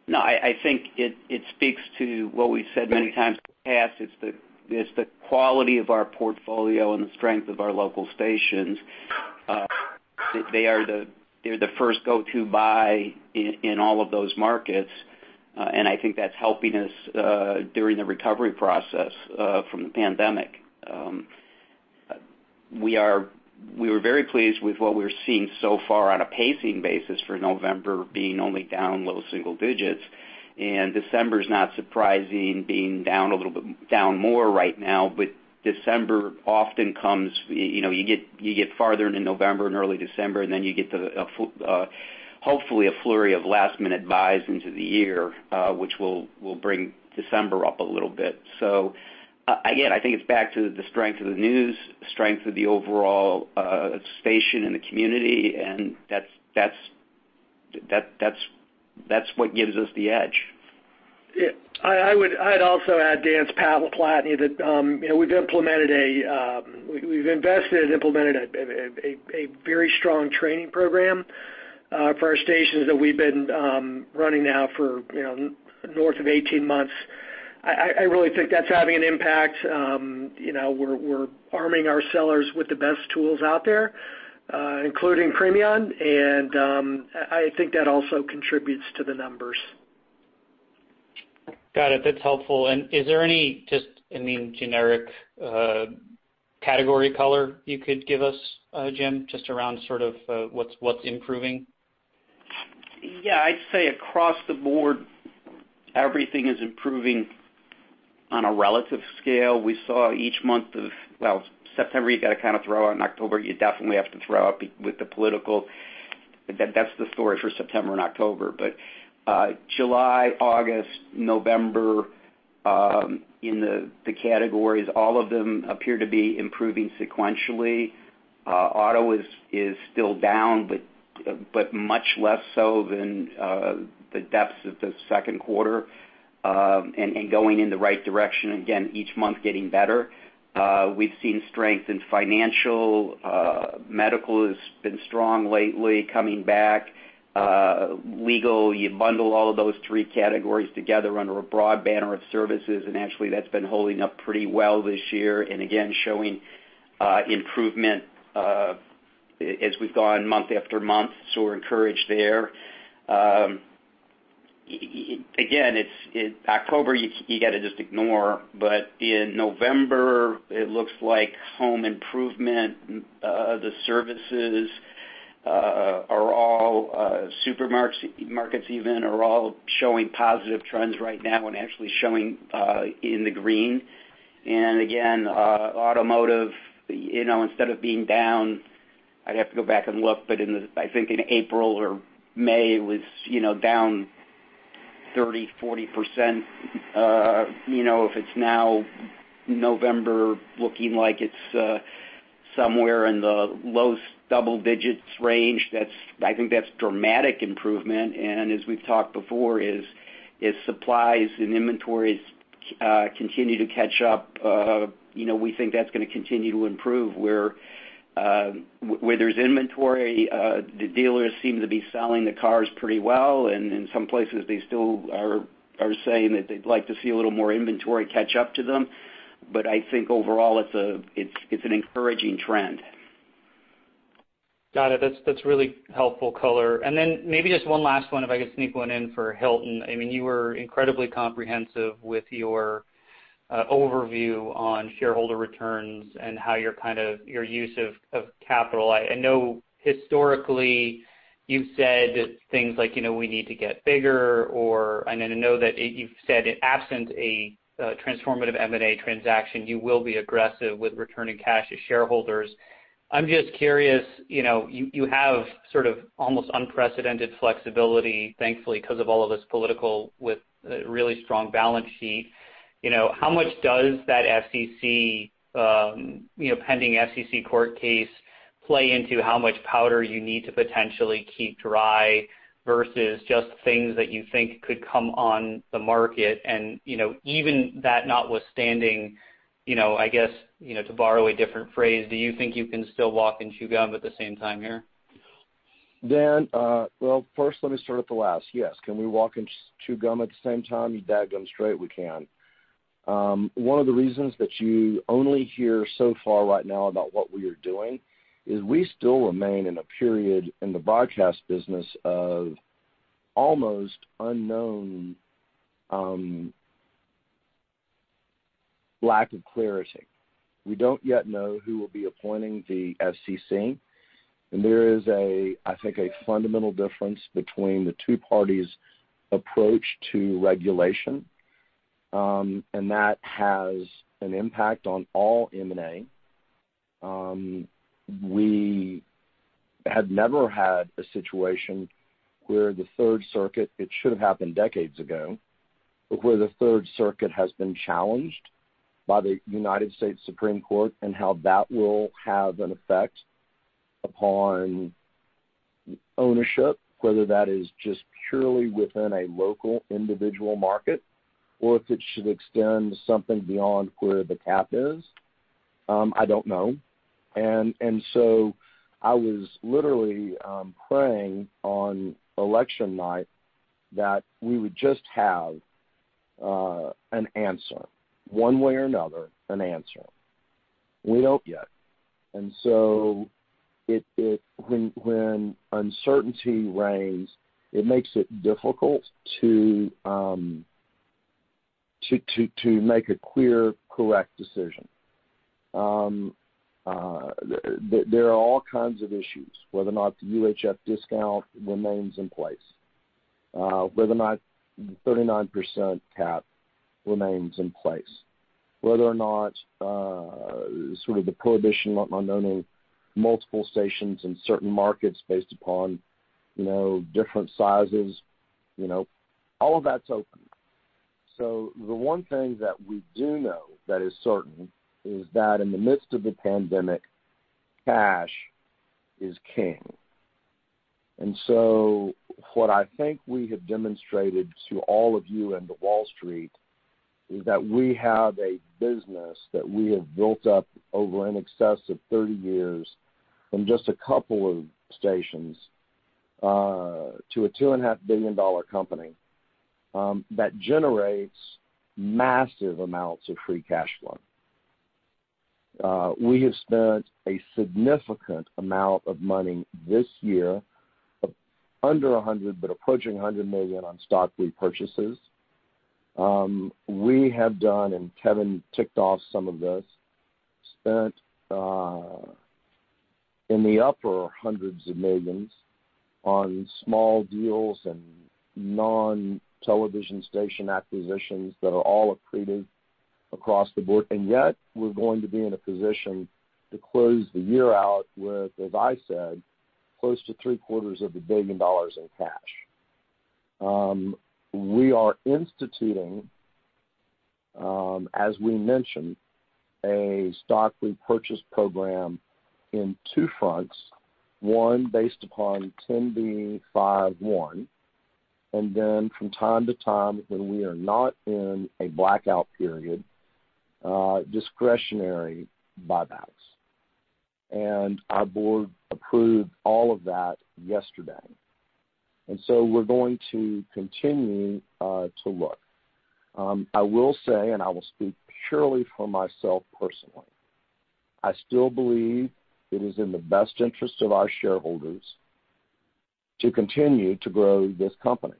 No, I think it speaks to what we've said many times in the past. It's the quality of our portfolio and the strength of our local stations. They're the first go-to buy in all of those markets. I think that's helping us during the recovery process from the pandemic. We were very pleased with what we were seeing so far on a pacing basis for November being only down low single digits. December's not surprising being down a little bit, down more right now. December often comes, you get farther into November and early December, you get to, hopefully, a flurry of last-minute buys into the year, which will bring December up a little bit. Again, I think it's back to the strength of the news, strength of the overall station and the community, and that's what gives us the edge. I'd also add, Dan, it's Pat LaPlatney, that we've invested and implemented a very strong training program for our stations that we've been running now for north of 18 months. I really think that's having an impact. We're arming our sellers with the best tools out there, including Premion. I think that also contributes to the numbers. Got it. That's helpful. Is there any just generic category color you could give us, Jim, just around sort of what's improving? Yeah, I'd say across the board, everything is improving on a relative scale. We saw well, September, you got to kind of throw out. October, you definitely have to throw out with the political. That's the story for September and October. July, August, November, in the categories, all of them appear to be improving sequentially. Auto is still down, but much less so than the depths of the second quarter, and going in the right direction, again, each month getting better. We've seen strength in financial. Medical has been strong lately, coming back. Legal, you bundle all of those three categories together under a broad banner of services, and actually that's been holding up pretty well this year. Again, showing improvement as we've gone month after month, so we're encouraged there. Again, October, you got to just ignore, but in November, it looks like home improvement, the services are all supermarkets even, are all showing positive trends right now and actually showing in the green. Again, automotive, instead of being down, I'd have to go back and look, but I think in April or May, it was down 30%-40%. If it's now November looking like it's somewhere in the low double digits range, I think that's dramatic improvement. As we've talked before, as supplies and inventories continue to catch up, we think that's going to continue to improve. Where there's inventory, the dealers seem to be selling the cars pretty well, and in some places, they still are saying that they'd like to see a little more inventory catch up to them. I think overall, it's an encouraging trend. Got it. That's really helpful color. Maybe just one last one, if I could sneak one in for Hilton. You were incredibly comprehensive with your overview on shareholder returns and how your use of capital. I know historically you've said things like, we need to get bigger, I know that you've said in absent a transformative M&A transaction, you will be aggressive with returning cash to shareholders. I'm just curious, you have sort of almost unprecedented flexibility, thankfully, because of all of this political with a really strong balance sheet. How much does that pending FCC court case play into how much powder you need to potentially keep dry versus just things that you think could come on the market? Even that notwithstanding, I guess, to borrow a different phrase, do you think you can still walk and chew gum at the same time here? Dan, well, first let me start at the last. Yes. Can we walk and chew gum at the same time? You dadgum straight we can. One of the reasons that you only hear so far right now about what we are doing is we still remain in a period in the broadcast business of almost unknown lack of clarity. We don't yet know who will be appointing the FCC, and there is, I think, a fundamental difference between the two parties' approach to regulation, and that has an impact on all M&A. We have never had a situation where the Third Circuit, it should have happened decades ago, but where the Third Circuit has been challenged by the United States Supreme Court and how that will have an effect upon ownership, whether that is just purely within a local individual market or if it should extend something beyond where the cap is. I don't know. I was literally praying on election night that we would just have an answer, one way or another, an answer. We don't yet. When uncertainty reigns, it makes it difficult to make a clear, correct decision. There are all kinds of issues, whether or not the UHF discount remains in place, whether or not 39% cap remains in place, whether or not sort of the prohibition on owning multiple stations in certain markets based upon different sizes. All of that's open. The one thing that we do know that is certain is that in the midst of the pandemic, cash is king. What I think we have demonstrated to all of you and to Wall Street is that we have a business that we have built up over in excess of 30 years from just a couple of stations, to a $2.5 billion company, that generates massive amounts of free cash flow. We have spent a significant amount of money this year, under $100 million, but approaching $100 million on stock repurchases. We have done, and Kevin ticked off some of this, spent in the upper hundreds of millions on small deals and non-television station acquisitions that are all accretive across the board. Yet we're going to be in a position to close the year out with, as I said, close to three-quarters of a billion dollars in cash. We are instituting, as we mentioned, a stock repurchase program in two fronts, one based upon 10b5-1. Then from time to time, when we are not in a blackout period, discretionary buybacks. Our board approved all of that yesterday. We're going to continue to look. I will say, and I will speak purely for myself personally, I still believe it is in the best interest of our shareholders to continue to grow this company.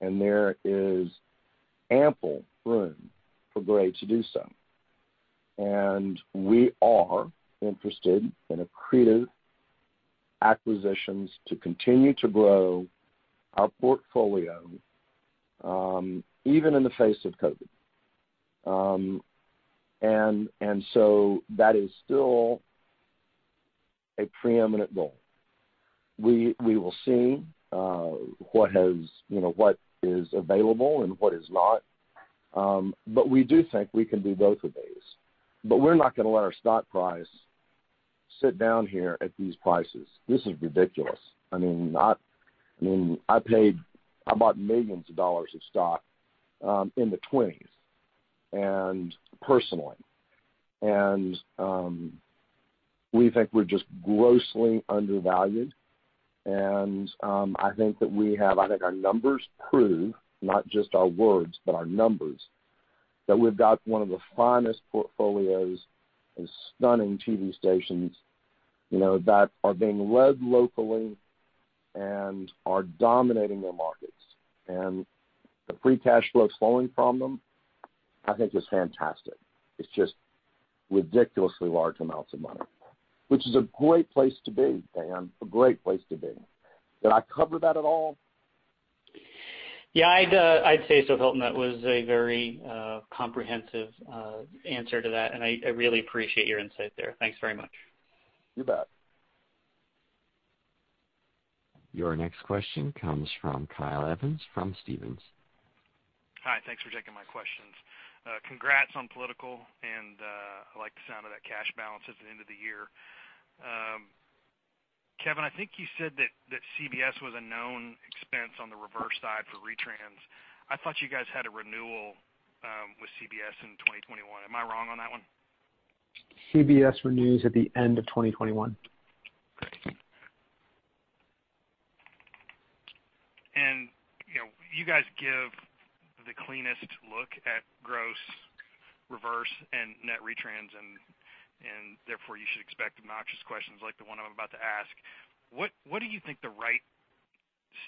There is ample room for Gray to do so. We are interested in accretive acquisitions to continue to grow our portfolio, even in the face of COVID. That is still a preeminent goal. We will see what is available and what is not. We do think we can do both of these. We're not gonna let our stock price sit down here at these prices. This is ridiculous. I bought millions of dollars of stock in the 20s, personally. We think we're just grossly undervalued, and I think our numbers prove, not just our words, but our numbers, that we've got one of the finest portfolios of stunning TV stations that are being led locally are dominating their markets, and the free cash flow flowing from them, I think is fantastic. It's just ridiculously large amounts of money, which is a great place to be, Dan. A great place to be. Did I cover that at all? Yeah, I'd say so, Hilton. That was a very comprehensive answer to that, and I really appreciate your insight there. Thanks very much. You bet. Your next question comes from Kyle Evans from Stephens. Hi. Thanks for taking my questions. Congrats on political, and I like the sound of that cash balance at the end of the year. Kevin, I think you said that CBS was a known expense on the reverse side for retrans. I thought you guys had a renewal with CBS in 2021. Am I wrong on that one? CBS renews at the end of 2021. You guys give the cleanest look at gross reverse and net retrans and therefore you should expect obnoxious questions like the one I'm about to ask. What do you think the right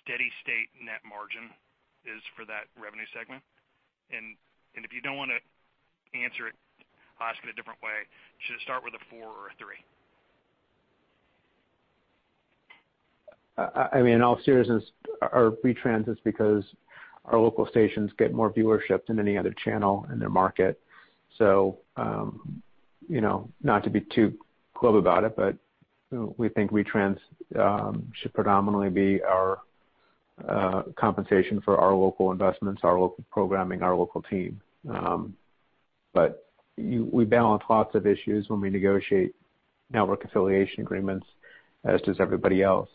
steady state net margin is for that revenue segment? If you don't want to answer it, I'll ask it a different way. Should it start with a four or a three? In all seriousness, our retrans is because our local stations get more viewership than any other channel in their market. Not to be too glib about it, we think retrans should predominantly be our compensation for our local investments, our local programming, our local team. We balance lots of issues when we negotiate network affiliation agreements, as does everybody else.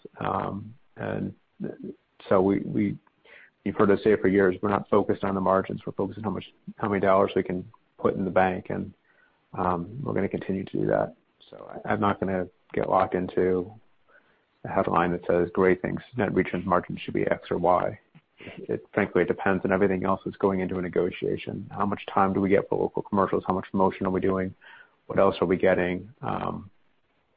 You've heard us say it for years, we're not focused on the margins, we're focused on how many dollars we can put in the bank. We're going to continue to do that. I'm not going to get locked into a headline that says Gray thinks net retrans margins should be X or Y. Frankly, it depends on everything else that's going into a negotiation. How much time do we get for local commercials? How much promotion are we doing? What else are we getting?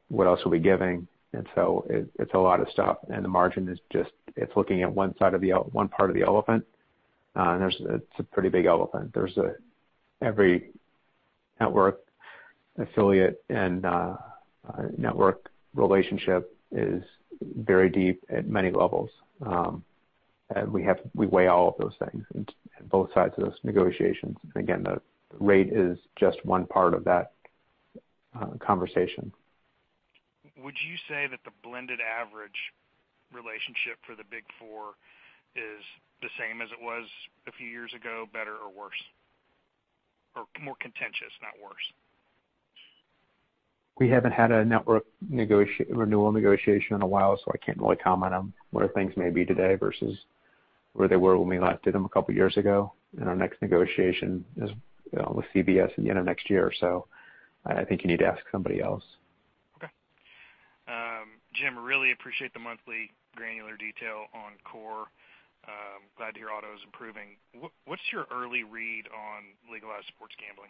What else are we giving? It's a lot of stuff, and the margin is just looking at one part of the elephant, and it's a pretty big elephant. Every network affiliate and network relationship is very deep at many levels. We weigh all of those things at both sides of those negotiations. Again, the rate is just one part of that conversation. Would you say that the blended average relationship for the big four is the same as it was a few years ago, better or worse, more contentious, not worse? We haven't had a network renewal negotiation in a while, so I can't really comment on where things may be today versus where they were when we last did them a couple of years ago. Our next negotiation is with CBS at the end of next year. I think you need to ask somebody else. Okay. Jim, really appreciate the monthly granular detail on core. Glad to hear auto is improving. What's your early read on legalized sports gambling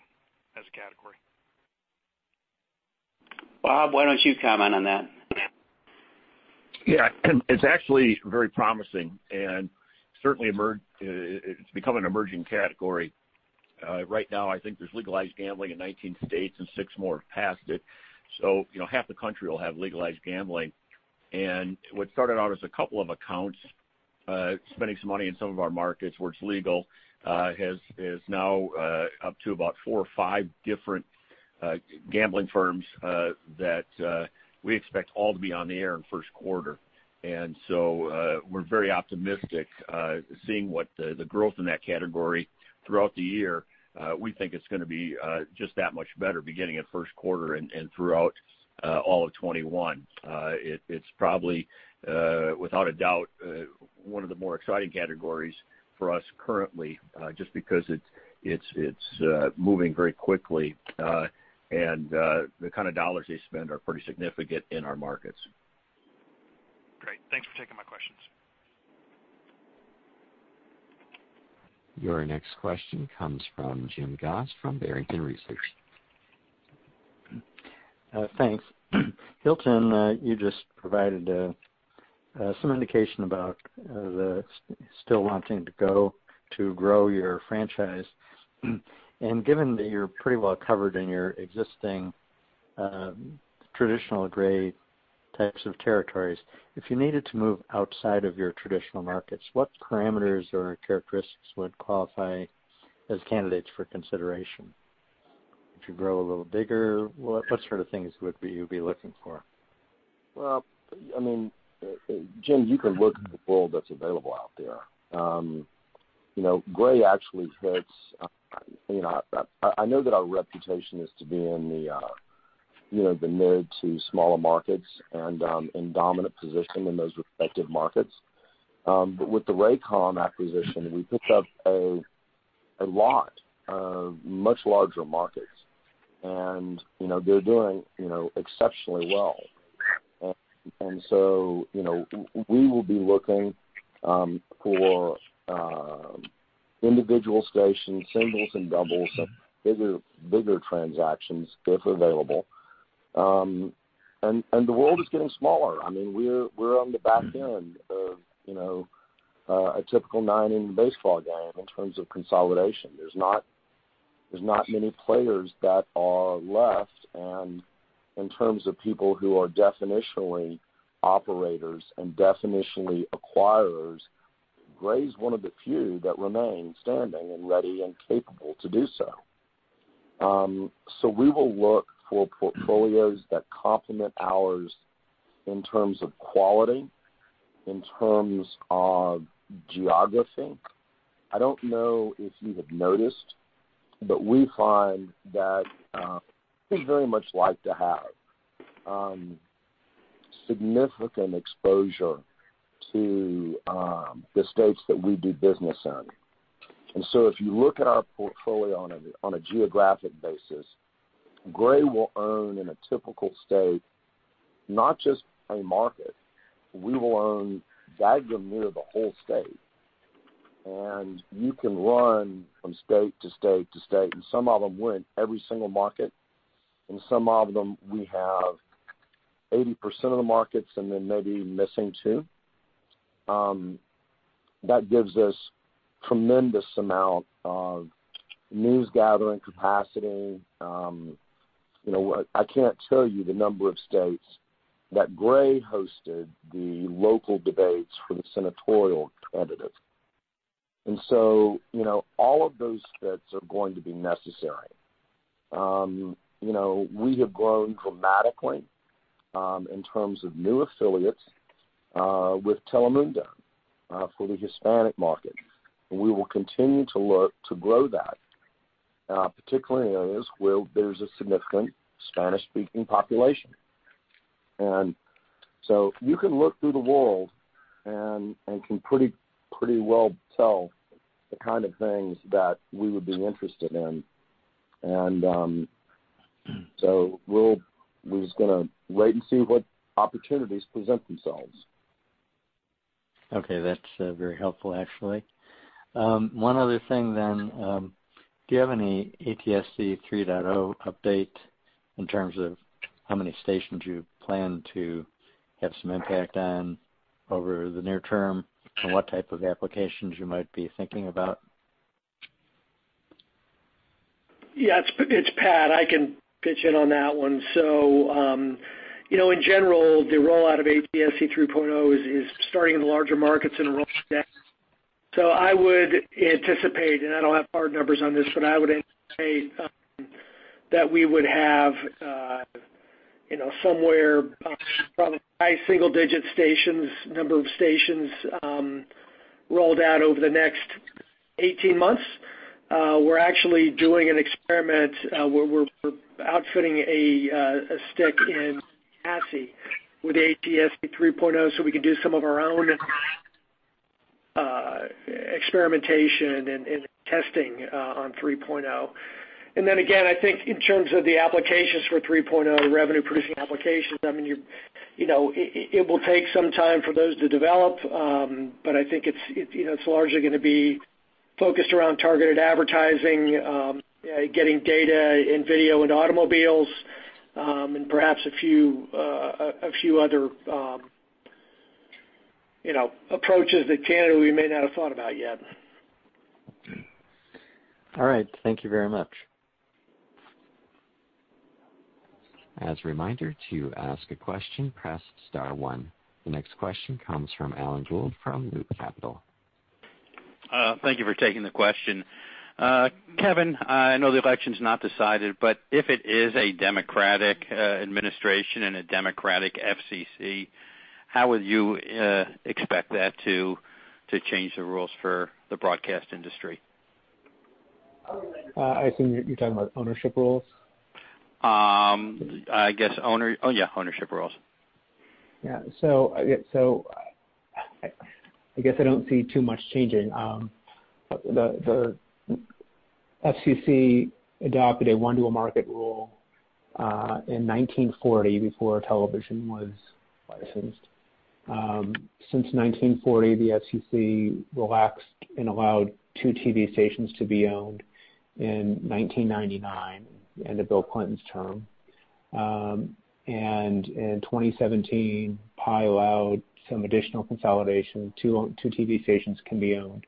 as a category? Bob, why don't you comment on that? Yeah. It's actually very promising, and certainly it's become an emerging category. Right now, I think there's legalized gambling in 19 states, and six more have passed it. Half the country will have legalized gambling. What started out as a couple of accounts spending some money in some of our markets where it's legal, is now up to about four or five different gambling firms that we expect all to be on the air in first quarter. We're very optimistic seeing what the growth in that category throughout the year. We think it's going to be just that much better beginning in first quarter and throughout all of 2021. It's probably, without a doubt, one of the more exciting categories for us currently, just because it's moving very quickly. The kind of dollars they spend are pretty significant in our markets. Great. Thanks for taking my questions. Your next question comes from Jim Goss from Barrington Research. Thanks. Hilton, you just provided some indication about still wanting to grow your franchise. Given that you're pretty well covered in your existing traditional Gray types of territories, if you needed to move outside of your traditional markets, what parameters or characteristics would qualify as candidates for consideration? If you grow a little bigger, what sort of things would you be looking for? Well, Jim, you can look at the pool that's available out there. Gray actually, I know that our reputation is to be in the mid to smaller markets and in dominant position in those respective markets. With the Raycom acquisition, we picked up a lot of much larger markets, and they're doing exceptionally well. We will be looking for individual stations, singles and doubles, and bigger transactions if available. The world is getting smaller. We're on the back end of a typical nine-inning baseball game in terms of consolidation. There's not many players that are left, and in terms of people who are definitionally operators and definitionally acquirers, Gray's one of the few that remain standing and ready and capable to do so. We will look for portfolios that complement ours in terms of quality, in terms of geography. I don't know if you have noticed, but we find that we very much like to have significant exposure to the states that we do business in. If you look at our portfolio on a geographic basis, Gray will own, in a typical state, not just a market. We will own dadgum near the whole state. You can run from state to state to state, and some of them win every single market, and some of them we have 80% of the markets and then maybe missing two. That gives us tremendous amount of news gathering capacity. I can't tell you the number of states that Gray hosted the local debates for the senatorial candidate. All of those fits are going to be necessary. We have grown dramatically in terms of new affiliates with Telemundo for the Hispanic market. We will continue to look to grow that, particularly in areas where there's a significant Spanish-speaking population. You can look through the world and can pretty well tell the kind of things that we would be interested in. We're just going to wait and see what opportunities present themselves. Okay, that's very helpful, actually. One other thing then. Do you have any ATSC 3.0 update in terms of how many stations you plan to have some impact on over the near term, and what type of applications you might be thinking about? Yeah, it's Pat. I can pitch in on that one. In general, the rollout of ATSC 3.0 is starting in the larger markets and rolling down. I would anticipate, and I don't have hard numbers on this, but I would anticipate that we would have somewhere probably high single-digit stations, number of stations, rolled out over the next 18 months. We're actually doing an experiment where we're outfitting a stick in with ATSC 3.0, so we can do some of our own experimentation and testing on 3.0. Again, I think in terms of the applications for 3.0, revenue-producing applications, it will take some time for those to develop. I think it's largely going to be focused around targeted advertising, getting data and video into automobiles, and perhaps a few other approaches that candidly we may not have thought about yet. All right. Thank you very much. As a reminder, to ask a question, press star one. The next question comes from Alan Gould from Loop Capital. Thank you for taking the question. Kevin, I know the election's not decided, but if it is a Democratic administration and a Democratic FCC, how would you expect that to change the rules for the broadcast industry? I assume you're talking about ownership rules. I guess owner Oh, yeah, ownership rules. Yeah. I guess I don't see too much changing. The FCC adopted a one-to-a-market rule in 1940 before television was licensed. Since 1940, the FCC relaxed and allowed two TV stations to be owned in 1999, the end of Bill Clinton's term. In 2017, Pai allowed some additional consolidation. Two TV stations can be owned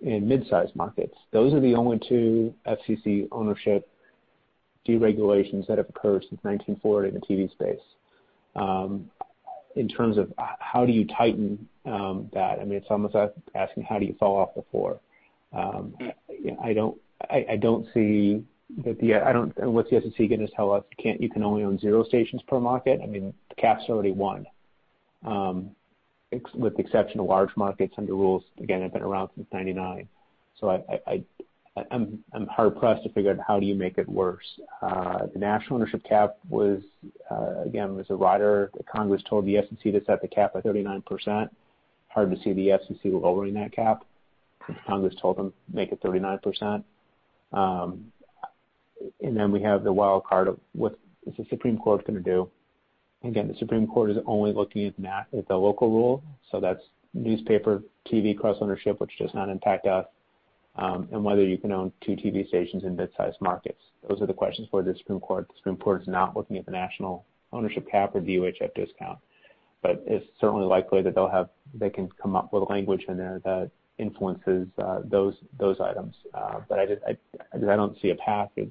in mid-size markets. Those are the only two FCC ownership deregulations that have occurred since 1940 in the TV space. In terms of how do you tighten that, it's almost asking how do you fall off the floor. I don't see what the FCC going to tell us, you can only own zero stations per market. The cap's already one, with the exception of large markets under rules, again, have been around since 1999. I'm hard-pressed to figure out how do you make it worse. The national ownership cap was, again, a rider that Congress told the FCC to set the cap at 39%. Hard to see the FCC lowering that cap since Congress told them make it 39%. Then we have the wild card of what is the Supreme Court going to do. The Supreme Court is only looking at the local rule. That's newspaper, TV cross-ownership, which does not impact us, and whether you can own two TV stations in mid-size markets. Those are the questions for the Supreme Court. The Supreme Court is not looking at the national ownership cap or UHF discount. It's certainly likely that they can come up with language in there that influences those items. I don't see a path of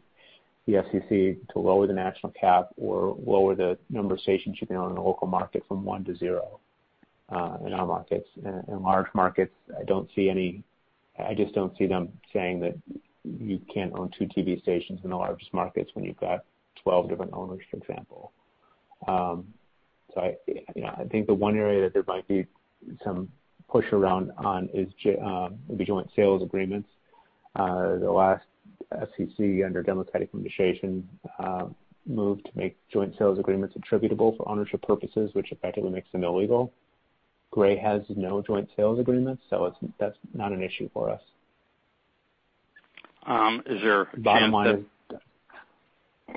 the FCC to lower the national cap or lower the number of stations you can own in a local market from one to zero in our markets. In large markets, I just don't see them saying that you can't own two TV stations in the largest markets when you've got 12 different owners, for example. I think the one area that there might be some push around on is the joint sales agreements. The last FCC under Democratic administration moved to make joint sales agreements attributable for ownership purposes, which effectively makes them illegal. Gray has no joint sales agreements, that's not an issue for us. Is there a chance that- Bottom line,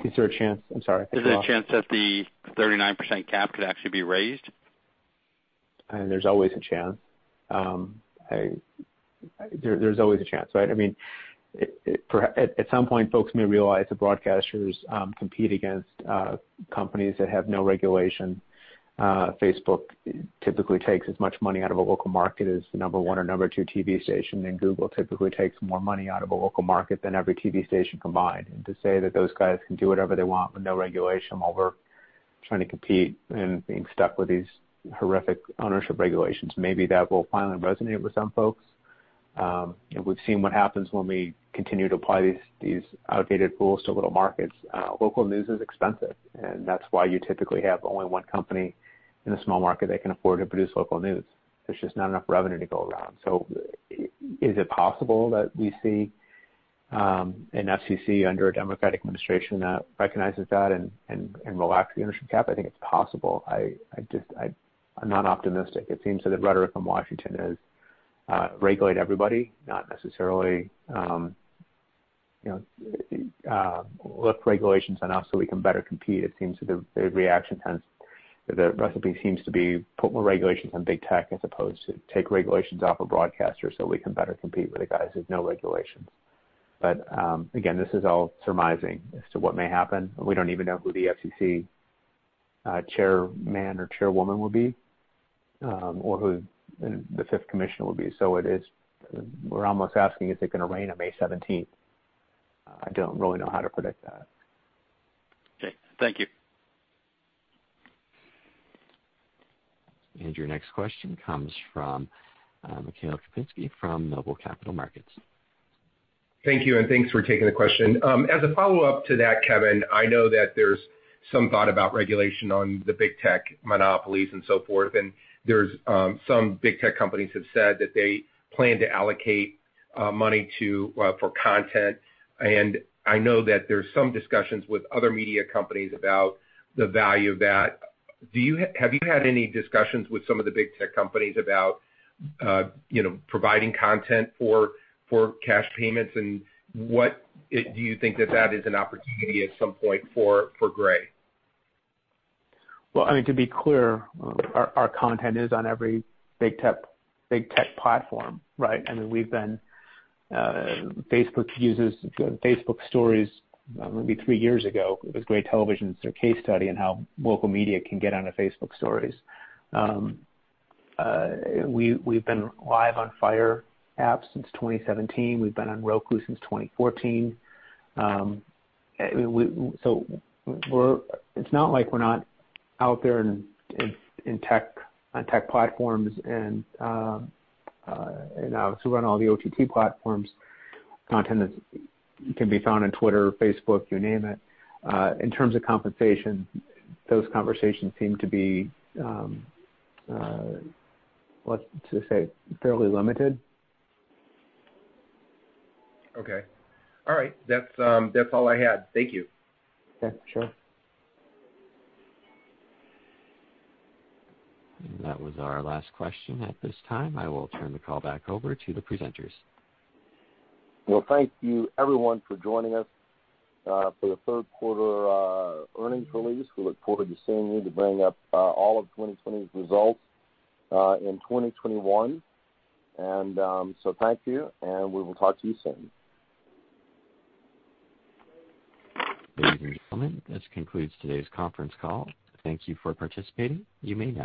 is there a chance? I'm sorry. Is there a chance that the 39% cap could actually be raised? There's always a chance. There's always a chance, right? At some point, folks may realize that broadcasters compete against companies that have no regulation. Facebook typically takes as much money out of a local market as the number one or number two TV station, Google typically takes more money out of a local market than every TV station combined. To say that those guys can do whatever they want with no regulation while we're trying to compete and being stuck with these horrific ownership regulations, maybe that will finally resonate with some folks. We've seen what happens when we continue to apply these outdated rules to little markets. Local news is expensive, and that's why you typically have only one company in a small market that can afford to produce local news. There's just not enough revenue to go around. Is it possible that we see an FCC under a Democratic administration that recognizes that and relax the ownership cap? I think it's possible. I'm not optimistic. It seems that the rhetoric from Washington is regulate everybody, not necessarily lift regulations on us so we can better compete. It seems the recipe seems to be put more regulations on big tech as opposed to take regulations off of broadcasters so we can better compete with the guys with no regulations. Again, this is all surmising as to what may happen. We don't even know who the FCC chairman or chairwoman will be, or who the fifth commissioner will be. We're almost asking, is it going to rain on May 17th? I don't really know how to predict that. Okay. Thank you. Your next question comes from Michael Kupinski from Noble Capital Markets. Thank you. Thanks for taking the question. As a follow-up to that, Kevin, I know that there's some thought about regulation on the big tech monopolies and so forth. Some big tech companies have said that they plan to allocate money for content. I know that there's some discussions with other media companies about the value of that. Have you had any discussions with some of the big tech companies about providing content for cash payments? Do you think that that is an opportunity at some point for Gray? Well, to be clear, our content is on every big tech platform, right? Facebook uses Facebook Stories, maybe three years ago, it was Gray Television. It's their case study in how local media can get onto Facebook Stories. We've been live on Fire TV since 2017. We've been on Roku since 2014. It's not like we're not out there on tech platforms. Obviously, we're on all the OTT platforms. Content can be found on Twitter, Facebook, you name it. In terms of compensation, those conversations seem to be, let's just say, fairly limited. Okay. All right. That's all I had. Thank you. Yeah, sure. That was our last question at this time. I will turn the call back over to the presenters. Well, thank you everyone for joining us for the third quarter earnings release. We look forward to seeing you to bring up all of 2020's results in 2021. Thank you, and we will talk to you soon. Ladies and gentlemen, this concludes today's conference call. Thank you for participating. You may disconnect.